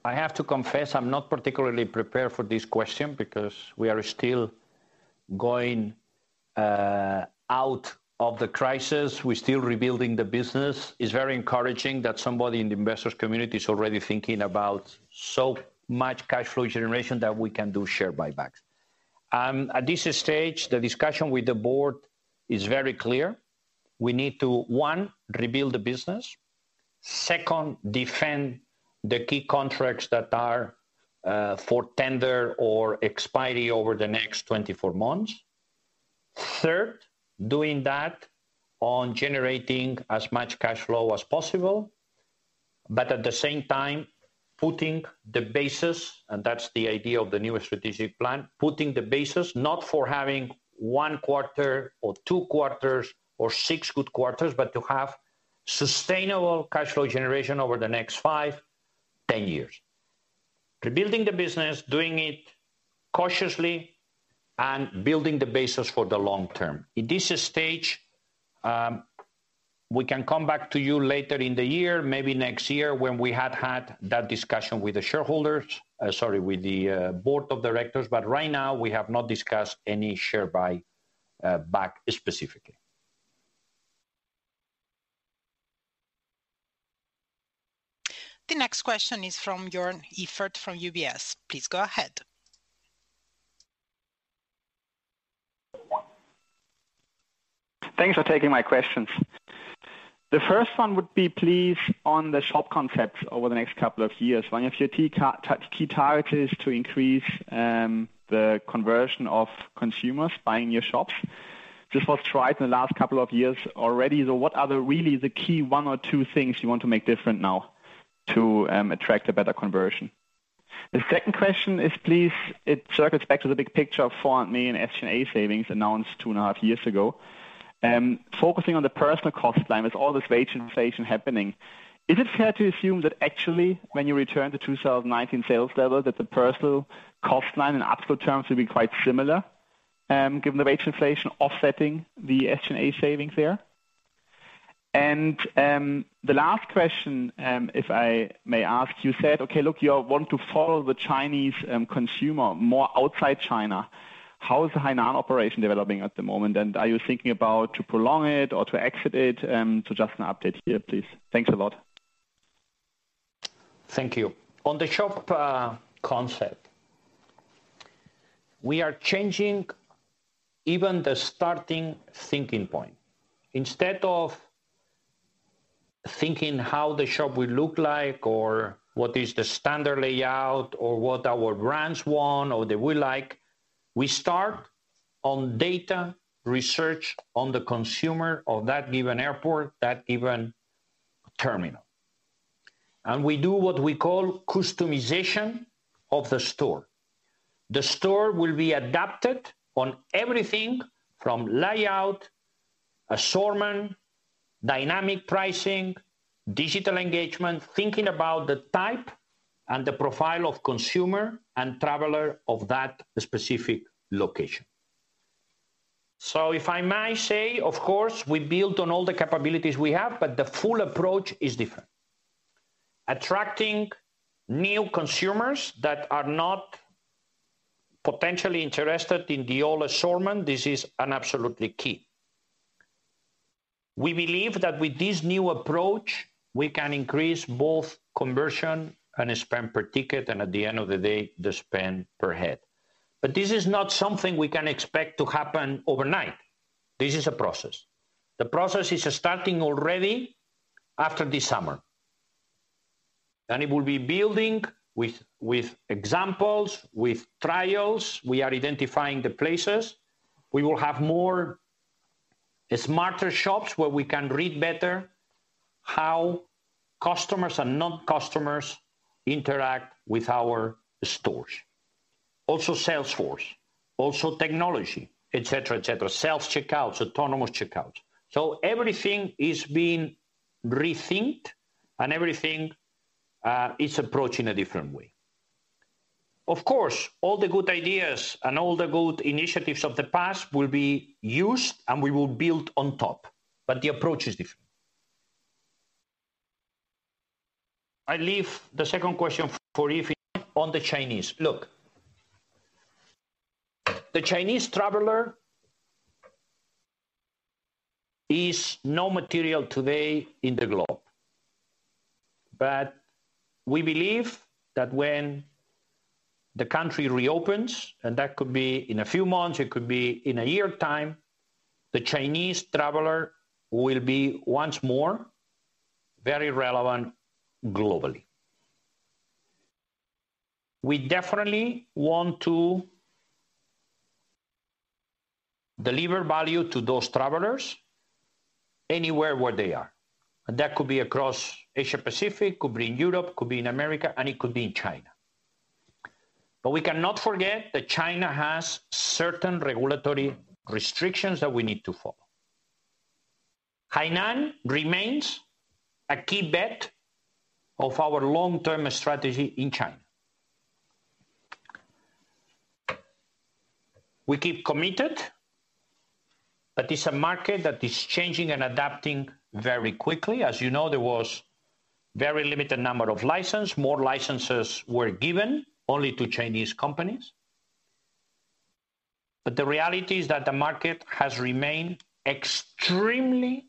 have to confess I'm not particularly prepared for this question because we are still going out of the crisis. We're still rebuilding the business. It's very encouraging that somebody in the investors community is already thinking about so much cash flow generation that we can do share buybacks. At this stage, the discussion with the board is very clear. We need to, one, rebuild the business. Second, defend the key contracts that are for tender or expiry over the next 24 months. Third, doing that on generating as much cash flow as possible, but at the same time, putting the basis, and that's the idea of the new strategic plan, putting the basis not for having one quarter or two quarters or six good quarters, but to have sustainable cash flow generation over the next five, 10 years. Rebuilding the business, doing it cautiously and building the basis for the long term. In this stage, we can come back to you later in the year, maybe next year when we had that discussion with the shareholders, sorry, with the Board of Directors, but right now we have not discussed any share buy back specifically. The next question is from Joern Iffert from UBS. Please go ahead. Thanks for taking my questions. The first one would be please on the shop concepts over the next couple of years. One of your key targets is to increase the conversion of consumers buying your shops. This was tried in the last couple of years already. What are the key one or two things you want to make different now to attract a better conversion? The second question is, please, it circles back to the big picture of 400 million SG&A savings announced 2.5 years ago. Focusing on the personnel cost line, with all this wage inflation happening, is it fair to assume that actually when you return to 2019 sales level, that the personnel cost line in absolute terms will be quite similar, given the wage inflation offsetting the SG&A savings there? The last question, if I may ask, you said, okay, look, you want to follow the Chinese consumer more outside China. How is the Hainan operation developing at the moment? Are you thinking about to prolong it or to exit it? Just an update here, please. Thanks a lot. Thank you. On the shop concept, we are changing even the starting thinking point. Instead of thinking how the shop will look like or what is the standard layout or what our brands want or they will like, we start on data research on the consumer of that given airport, that given terminal. We do what we call customization of the store. The store will be adapted on everything from layout, assortment, dynamic pricing, digital engagement, thinking about the type and the profile of consumer and traveler of that specific location. If I may say, of course, we build on all the capabilities we have, but the full approach is different. Attracting new consumers that are not potentially interested in the old assortment, this is an absolutely key. We believe that with this new approach, we can increase both conversion and spend per ticket, and at the end of the day, the spend per head. This is not something we can expect to happen overnight. This is a process. The process is starting already after this summer. It will be building with examples, with trials. We are identifying the places. We will have more smarter shops where we can read better how customers and non-customers interact with our stores. Also sales force, also technology, et cetera, et cetera. Sales checkouts, autonomous checkouts. Everything is being rethought and everything is approached in a different way. Of course, all the good ideas and all the good initiatives of the past will be used, and we will build on top, but the approach is different. I leave the second question for Yves on the Chinese. Look, the Chinese traveler is not material today globally. But we believe that when the country reopens, and that could be in a few months, it could be in a year's time, the Chinese traveler will be once more very relevant globally. We definitely want to deliver value to those travelers anywhere where they are. And that could be across Asia-Pacific, could be in Europe, could be in America, and it could be in China. But we cannot forget that China has certain regulatory restrictions that we need to follow. Hainan remains a key bet of our long-term strategy in China. We keep committed, but it's a market that is changing and adapting very quickly. As you know, there was very limited number of licenses. More licenses were given only to Chinese companies. The reality is that the market has remained extremely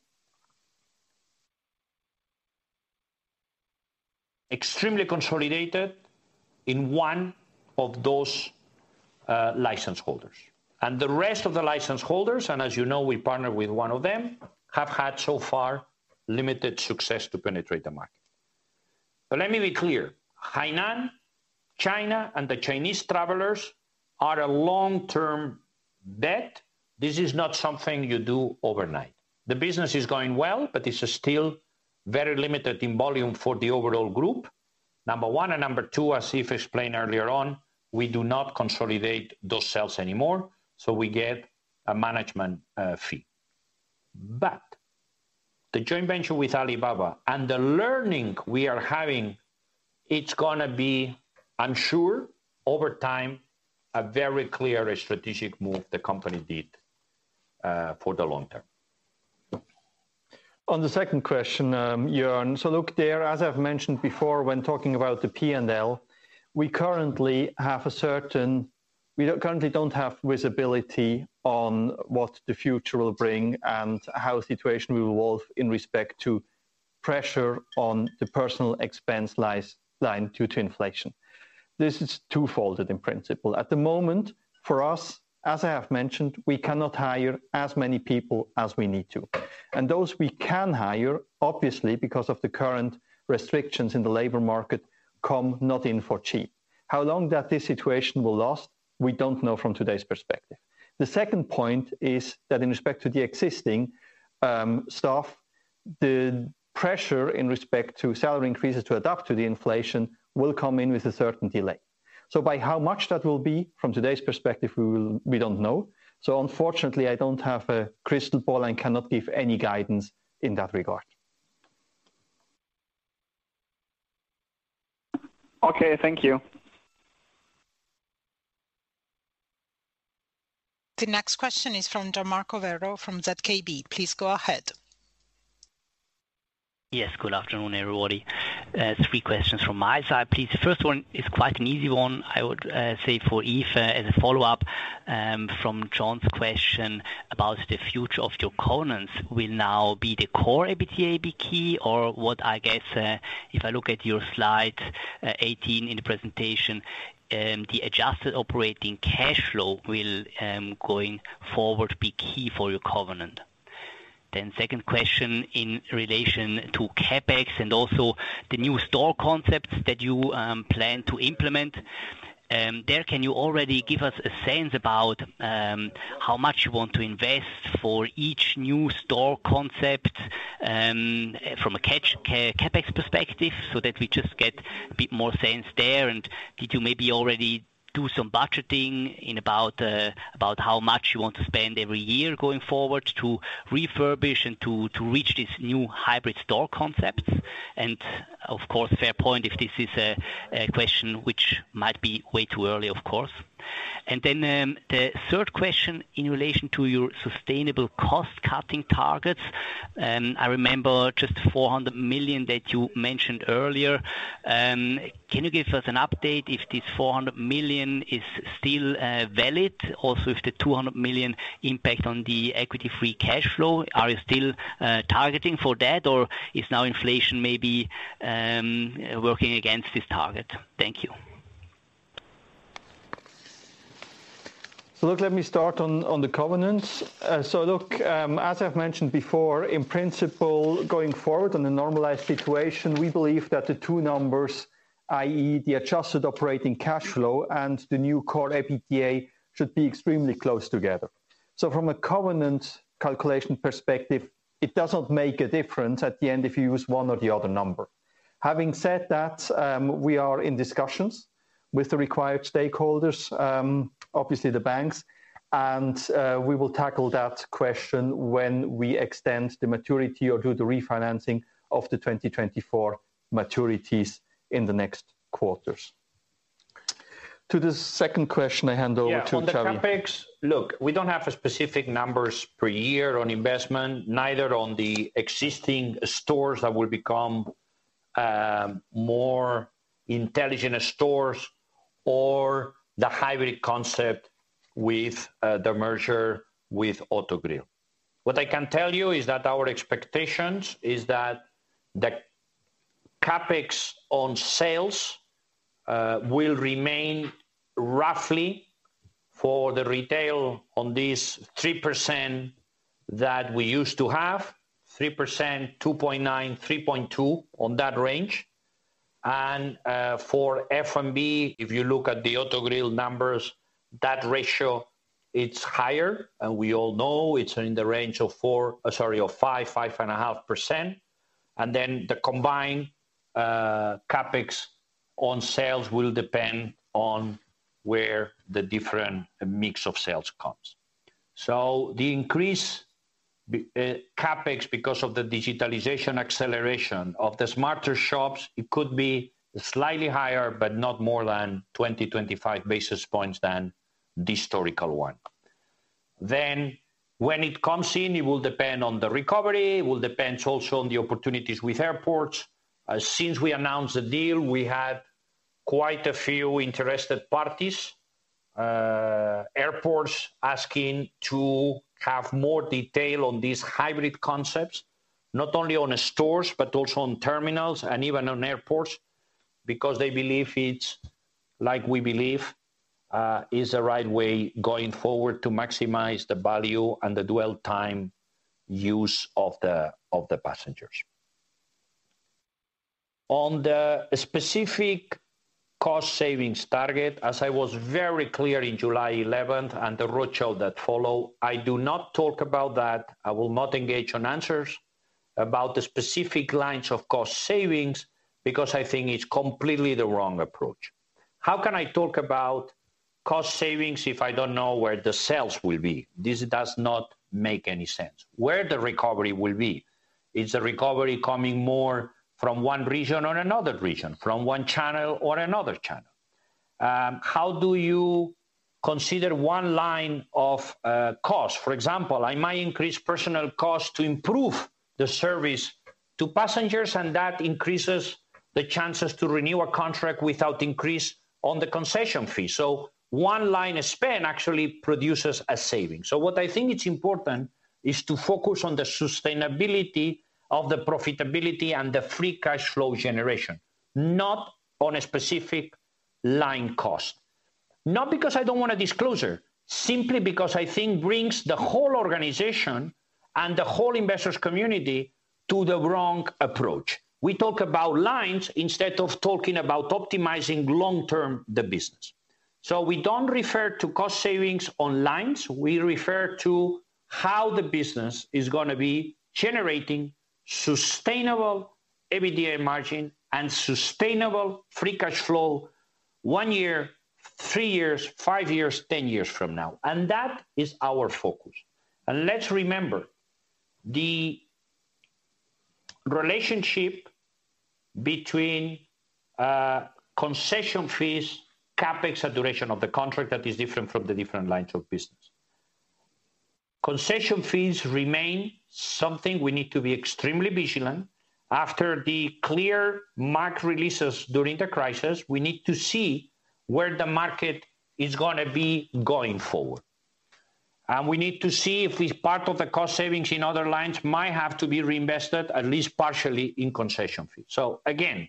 consolidated in one of those license holders. The rest of the license holders, and as you know, we partner with one of them, have had so far limited success to penetrate the market. Let me be clear, Hainan, China, and the Chinese travelers are a long-term bet. This is not something you do overnight. The business is going well, but it's still very limited in volume for the overall group, number one. Number two, as Yves explained earlier on, we do not consolidate those sales anymore, so we get a management fee. The joint venture with Alibaba and the learning we are having, it's gonna be, I'm sure, over time, a very clear strategic move the company did for the long term. On the second question, Joern. Look there, as I've mentioned before, when talking about the P&L, we currently don't have visibility on what the future will bring and how the situation will evolve in respect to pressure on the personnel expense line due to inflation. This is two-fold in principle. At the moment, for us, as I have mentioned, we cannot hire as many people as we need to. Those we can hire, obviously, because of the current restrictions in the labor market, don't come cheap. How long this situation will last, we don't know from today's perspective. The second point is that in respect to the existing staff, the pressure in respect to salary increases to adapt to the inflation will come in with a certain delay. By how much that will be from today's perspective, we don't know. Unfortunately, I don't have a crystal ball and cannot give any guidance in that regard. Okay, thank you. The next question is from Gian Marco Werro from ZKB. Please go ahead. Yes, good afternoon, everybody. Three questions from my side, please. The first one is quite an easy one, I would say for Yves as a follow-up from Jon's question about the future of your covenants will now be the CORE EBITDA be key or what I guess, if I look at your slide 18 in the presentation, the adjusted operating cash flow will going forward be key for your covenant. Second question in relation to CapEx and also the new store concepts that you plan to implement. There, can you already give us a sense about how much you want to invest for each new store concept from a CapEx perspective so that we just get a bit more sense there? Did you maybe already do some budgeting in about how much you want to spend every year going forward to refurbish and to reach these new hybrid store concepts? Of course, fair point, if this is a question which might be way too early, of course. Then, the third question in relation to your sustainable cost-cutting targets. I remember just 400 million that you mentioned earlier. Can you give us an update if this 400 million is still valid? Also, if the 200 million impact on the Equity Free Cash Flow, are you still targeting for that? Or is now inflation maybe working against this target? Thank you. Look, let me start on the covenants. As I've mentioned before, in principle, going forward in a normalized situation, we believe that the two numbers, i.e. the adjusted operating cash flow and the new CORE EBITDA should be extremely close together. From a covenant calculation perspective, it doesn't make a difference at the end if you use one or the other number. Having said that, we are in discussions with the required stakeholders, obviously the banks. We will tackle that question when we extend the maturity or do the refinancing of the 2024 maturities in the next quarters. To the second question, I hand over to Xavier. Yeah, on the CapEx. Look, we don't have specific numbers per year on investment, neither on the existing stores that will become more intelligent stores or the hybrid concept with the merger with Autogrill. What I can tell you is that our expectations is that the CapEx on sales will remain roughly for the retail on this 3% that we used to have, 3%, 2.9%-3.2% on that range. For F&B, if you look at the Autogrill numbers, that ratio it's higher, and we all know it's in the range of 4%, sorry, of 5%-5.5%. The combined CapEx on sales will depend on where the different mix of sales comes. The increase in CapEx because of the digitalization acceleration of the smarter shops, it could be slightly higher, but not more than 25 basis points than the historical one. When it comes in, it will depend on the recovery, it will depend also on the opportunities with airports. Since we announced the deal, we had quite a few interested parties. Airports asking to have more detail on these hybrid concepts, not only on stores, but also on terminals and even on airports, because they believe it's, like we believe, is the right way going forward to maximize the value and the dwell time use of the passengers. On the specific cost savings target, as I was very clear in July 11th and the roadshow that followed, I do not talk about that. I will not engage on answers about the specific lines of cost savings because I think it's completely the wrong approach. How can I talk about cost savings if I don't know where the sales will be? This does not make any sense. Where the recovery will be. Is the recovery coming more from one region or another region, from one channel or another channel? How do you consider one line of cost? For example, I might increase personnel cost to improve the service to passengers, and that increases the chances to renew a contract without increase on the concession fee. One line spend actually produces a saving. What I think it's important is to focus on the sustainability of the profitability and the free cash flow generation, not on a specific line cost. Not because I don't want a disclosure, simply because I think brings the whole organization and the whole investors community to the wrong approach. We talk about lines instead of talking about optimizing long-term the business. We don't refer to cost savings on lines. We refer to how the business is gonna be generating sustainable EBITDA margin and sustainable free cash flow one year, three years, five years, 10 years from now. That is our focus. Let's remember the relationship between concession fees, CapEx, and duration of the contract that is different from the different lines of business. Concession fees remain something we need to be extremely vigilant. After the clear mark releases during the crisis, we need to see where the market is gonna be going forward. We need to see if part of the cost savings in other lines might have to be reinvested, at least partially, in concession fees. Again,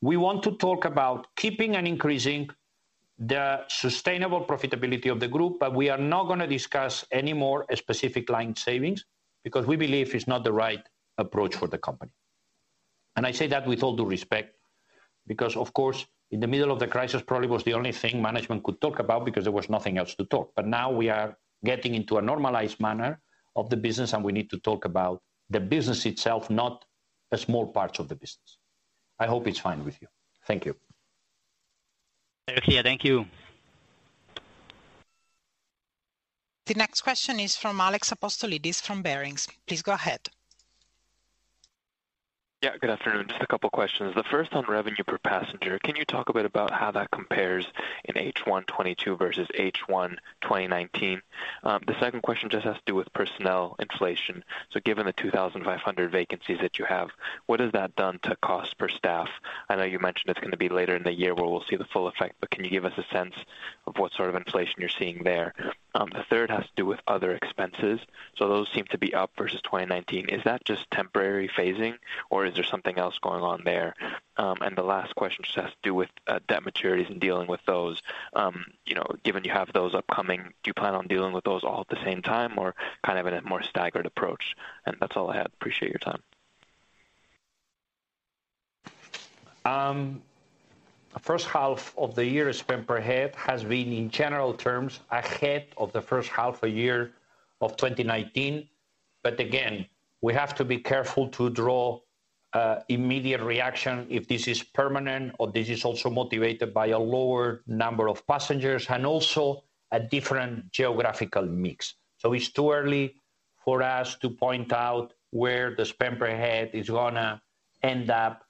we want to talk about keeping and increasing the sustainable profitability of the group, but we are not gonna discuss any more specific line savings because we believe it's not the right approach for the company. I say that with all due respect, because of course, in the middle of the crisis, probably was the only thing management could talk about because there was nothing else to talk. Now we are getting into a normalized manner of the business, and we need to talk about the business itself, not a small part of the business. I hope it's fine with you. Thank you. Thank you. The next question is from Alex Apostolidis from Barings. Please go ahead. Yeah, good afternoon. Just a couple questions. The first on revenue per passenger. Can you talk a bit about how that compares in H1 2022 versus H1 2019? The second question just has to do with personnel inflation. So given the 2,500 vacancies that you have, what has that done to cost per staff? I know you mentioned it's gonna be later in the year where we'll see the full effect, but can you give us a sense of what sort of inflation you're seeing there? The third has to do with other expenses. So those seem to be up versus 2019. Is that just temporary phasing or is there something else going on there? And the last question just has to do with debt maturities and dealing with those. you know, given you have those upcoming, do you plan on dealing with those all at the same time or kind of in a more staggered approach? That's all I have. Appreciate your time. First half of the year spend per head has been, in general terms, ahead of the first half year of 2019. Again, we have to be careful to draw immediate reaction if this is permanent or this is also motivated by a lower number of passengers and also a different geographical mix. It's too early for us to point out where the spend per head is gonna end up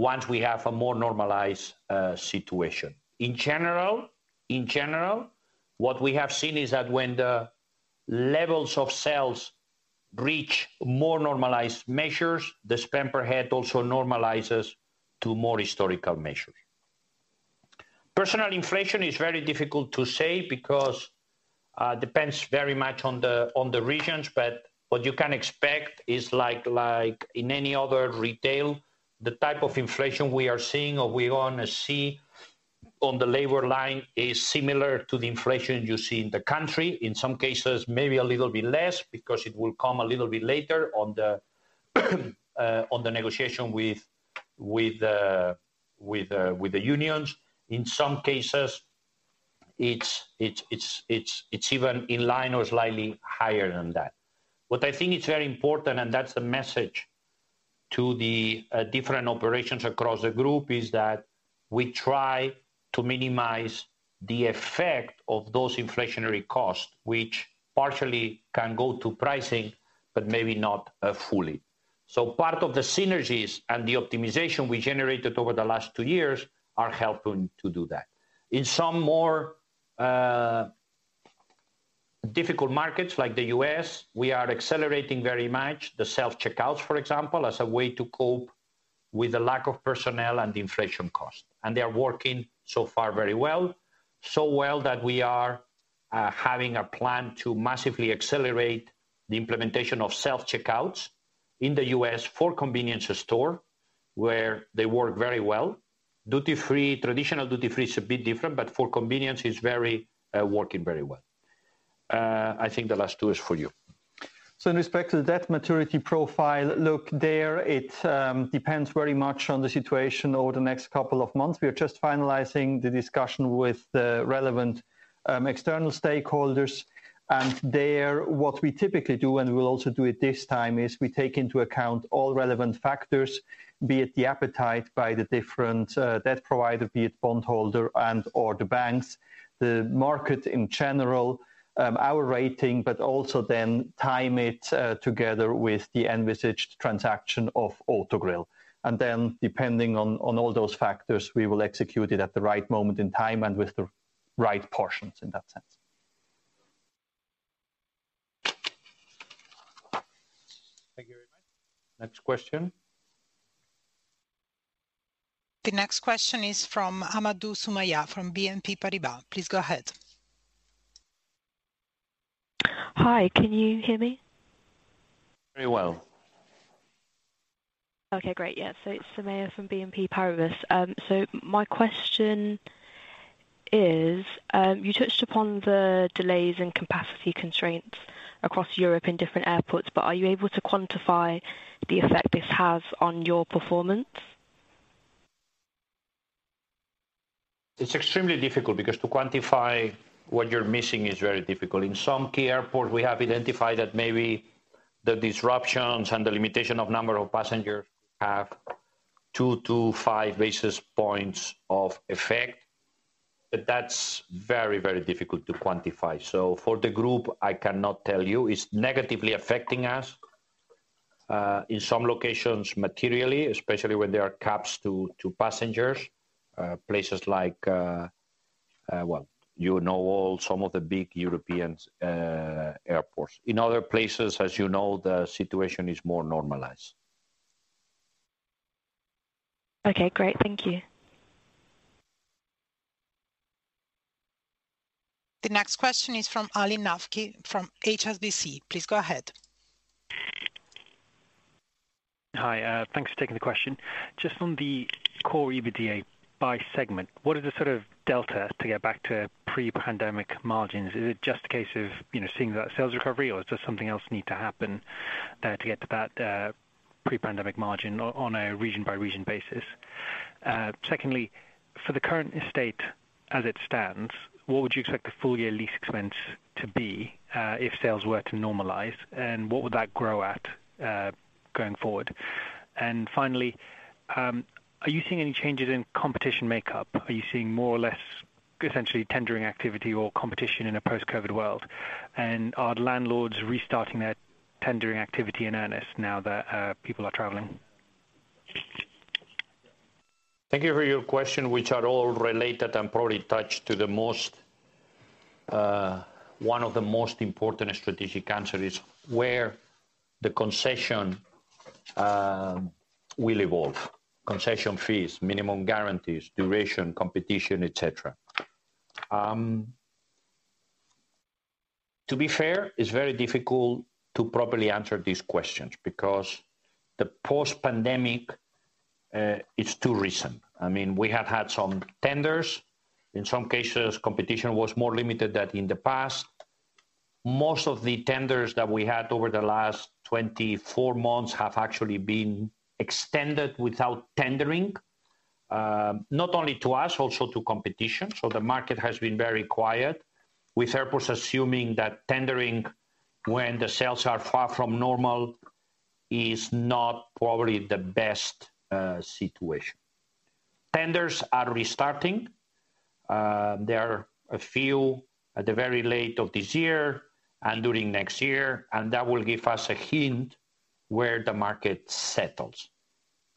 once we have a more normalized situation. In general, what we have seen is that when the levels of sales reach more normalized measures, the spend per head also normalizes to more historical measures. Personnel inflation is very difficult to say because it depends very much on the regions, but what you can expect is like in any other retail, the type of inflation we are seeing or we're gonna see on the labor line is similar to the inflation you see in the country. In some cases, maybe a little bit less because it will come a little bit later on the negotiation with the unions. In some cases, it's even in line or slightly higher than that. What I think is very important, and that's the message to the different operations across the group, is that we try to minimize the effect of those inflationary costs, which partially can go to pricing, but maybe not fully. Part of the synergies and the optimization we generated over the last two years are helping to do that. In some more difficult markets like the U.S., we are accelerating very much the self-checkouts, for example, as a way to cope with the lack of personnel and the inflation cost. They are working so far very well, so well that we are having a plan to massively accelerate the implementation of self-checkouts in the U.S. for convenience store where they work very well. Duty-Free, traditional Duty-Free is a bit different, but for convenience, it's very working very well. I think the last two is for you. In respect to the debt maturity profile, look, it depends very much on the situation over the next couple of months. We are just finalizing the discussion with the relevant external stakeholders. There, what we typically do, and we'll also do it this time, is we take into account all relevant factors, be it the appetite by the different debt provider, be it bond holder and/or the banks, the market in general, our rating, but also then time it together with the envisaged transaction of Autogrill. Then depending on all those factors, we will execute it at the right moment in time and with the right portions in that sense. Thank you very much. Next question. The next question is from [Hamadu Soumaya] from BNP Paribas. Please go ahead. Hi, can you hear me? Very well. Okay, great. Yeah. It's [Soumaya] from BNP Paribas. My question is, you touched upon the delays in capacity constraints across Europe in different airports, but are you able to quantify the effect this has on your performance? It's extremely difficult because to quantify what you're missing is very difficult. In some key airports we have identified that maybe the disruptions and the limitation of number of passengers have 2-5 basis points of effect, but that's very, very difficult to quantify. For the group, I cannot tell you. It's negatively affecting us in some locations materially, especially when there are caps to passengers, places like, well, you know all some of the big European airports. In other places, as you know, the situation is more normalized. Okay, great. Thank you. The next question is from Ali Naqvi from HSBC. Please go ahead. Hi, thanks for taking the question. Just on the CORE EBITDA by segment, what is the sort of delta to get back to pre-pandemic margins? Is it just a case of, you know, seeing that sales recovery, or does something else need to happen, to get to that, pre-pandemic margin on a region-by-region basis? Secondly, for the current estate as it stands, what would you expect the full year lease expense to be, if sales were to normalize, and what would that grow at, going forward? Finally, are you seeing any changes in competition makeup? Are you seeing more or less, essentially tendering activity or competition in a post-COVID world? Are landlords restarting their tendering activity in earnest now that people are traveling? Thank you for your question, which are all related and probably touch to the most, one of the most important strategic answer is where the concession will evolve. Concession fees, minimum guarantees, duration, competition, et cetera. To be fair, it's very difficult to properly answer these questions because the post-pandemic is too recent. I mean, we have had some tenders. In some cases, competition was more limited than in the past. Most of the tenders that we had over the last 24 months have actually been extended without tendering, not only to us, also to competition. The market has been very quiet, with airports assuming that tendering when the sales are far from normal is not probably the best situation. Tenders are restarting. There are a few at the very end of this year and during next year, and that will give us a hint where the market settles.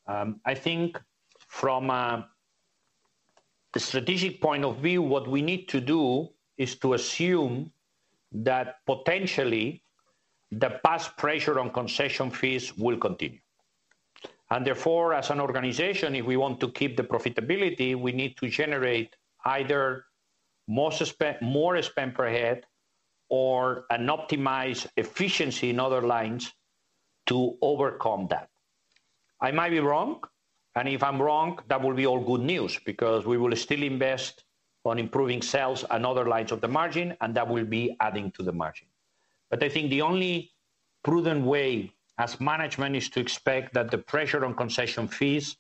I think from a strategic point of view, what we need to do is to assume that potentially the past pressure on concession fees will continue. Therefore, as an organization, if we want to keep the profitability, we need to generate either more spend per head or an optimized efficiency in other lines to overcome that. I might be wrong, and if I'm wrong, that will be all good news because we will still invest on improving sales and other lines of the margin, and that will be adding to the margin. I think the only prudent way as management is to expect that the pressure on concession fees,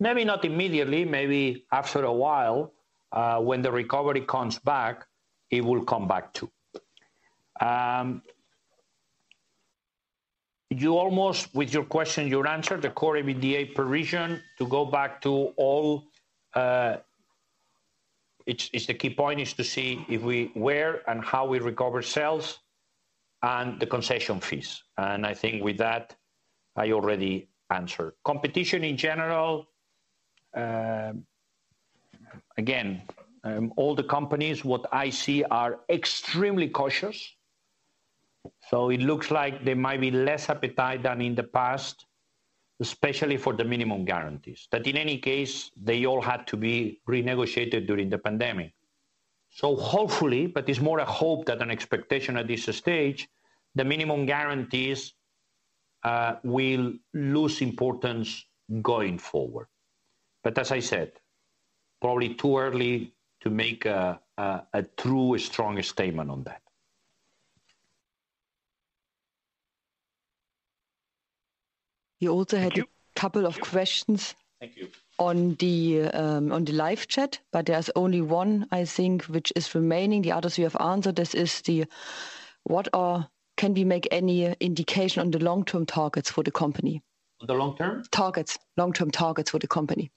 maybe not immediately, maybe after a while, when the recovery comes back, it will come back too. You almost, with your question, you answered. The CORE EBITDA per region, to go back to all, it's the key point is to see if we recover sales and the concession fees. I think with that, I already answered. Competition in general, again, all the companies what I see are extremely cautious, so it looks like there might be less appetite than in the past, especially for the minimum guarantees, that in any case, they all had to be renegotiated during the pandemic. Hopefully, but it's more a hope than an expectation at this stage, the minimum guarantees will lose importance going forward. As I said, probably too early to make a true strong statement on that. You also had a couple of questions. Thank you. On the live chat, but there's only one, I think, which is remaining. The others you have answered. This is the— can we make any indication on the long-term targets for the company? On the long term? Targets. Long-term targets for the company.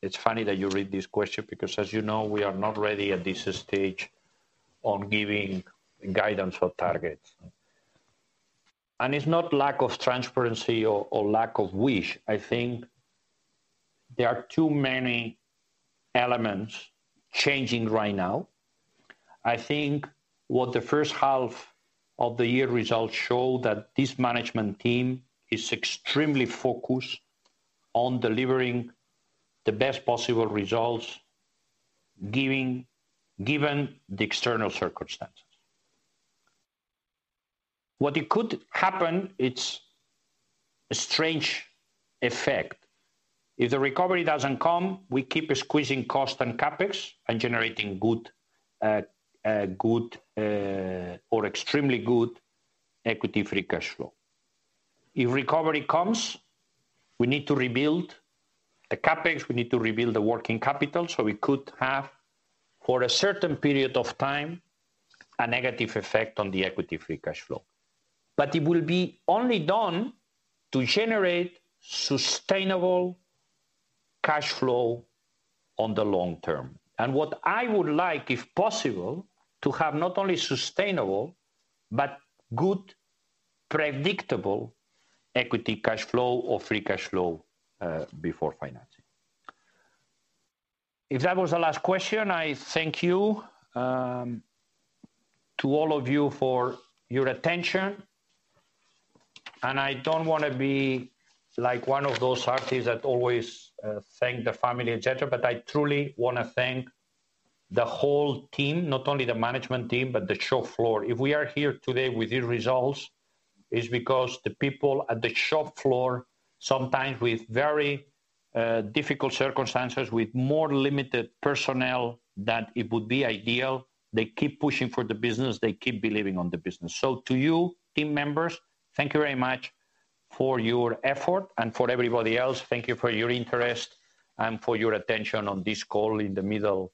It's funny that you read this question because, as you know, we are not ready at this stage on giving guidance or targets. It's not lack of transparency or lack of wish. I think there are too many elements changing right now. I think what the first half of the year results show that this management team is extremely focused on delivering the best possible results given the external circumstances. What it could happen, it's a strange effect. If the recovery doesn't come, we keep squeezing cost and CapEx and generating good or extremely good Equity Free Cash Flow. If recovery comes, we need to rebuild the CapEx, we need to rebuild the working capital, so we could have, for a certain period of time, a negative effect on the Equity Free Cash Flow. It will be only done to generate sustainable cash flow on the long term. What I would like, if possible, to have not only sustainable, but good predictable equity cash flow or free cash flow before financing. If that was the last question, I thank you to all of you for your attention. I don't wanna be like one of those artists that always thank the family, et cetera, but I truly wanna thank the whole team, not only the management team, but the shop floor. If we are here today with these results, is because the people at the shop floor, sometimes with very difficult circumstances, with more limited personnel than it would be ideal, they keep pushing for the business, they keep believing on the business. To you, team members, thank you very much for your effort. For everybody else, thank you for your interest and for your attention on this call in the middle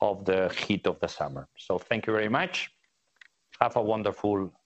of the heat of the summer. Thank you very much. Have a wonderful afternoon.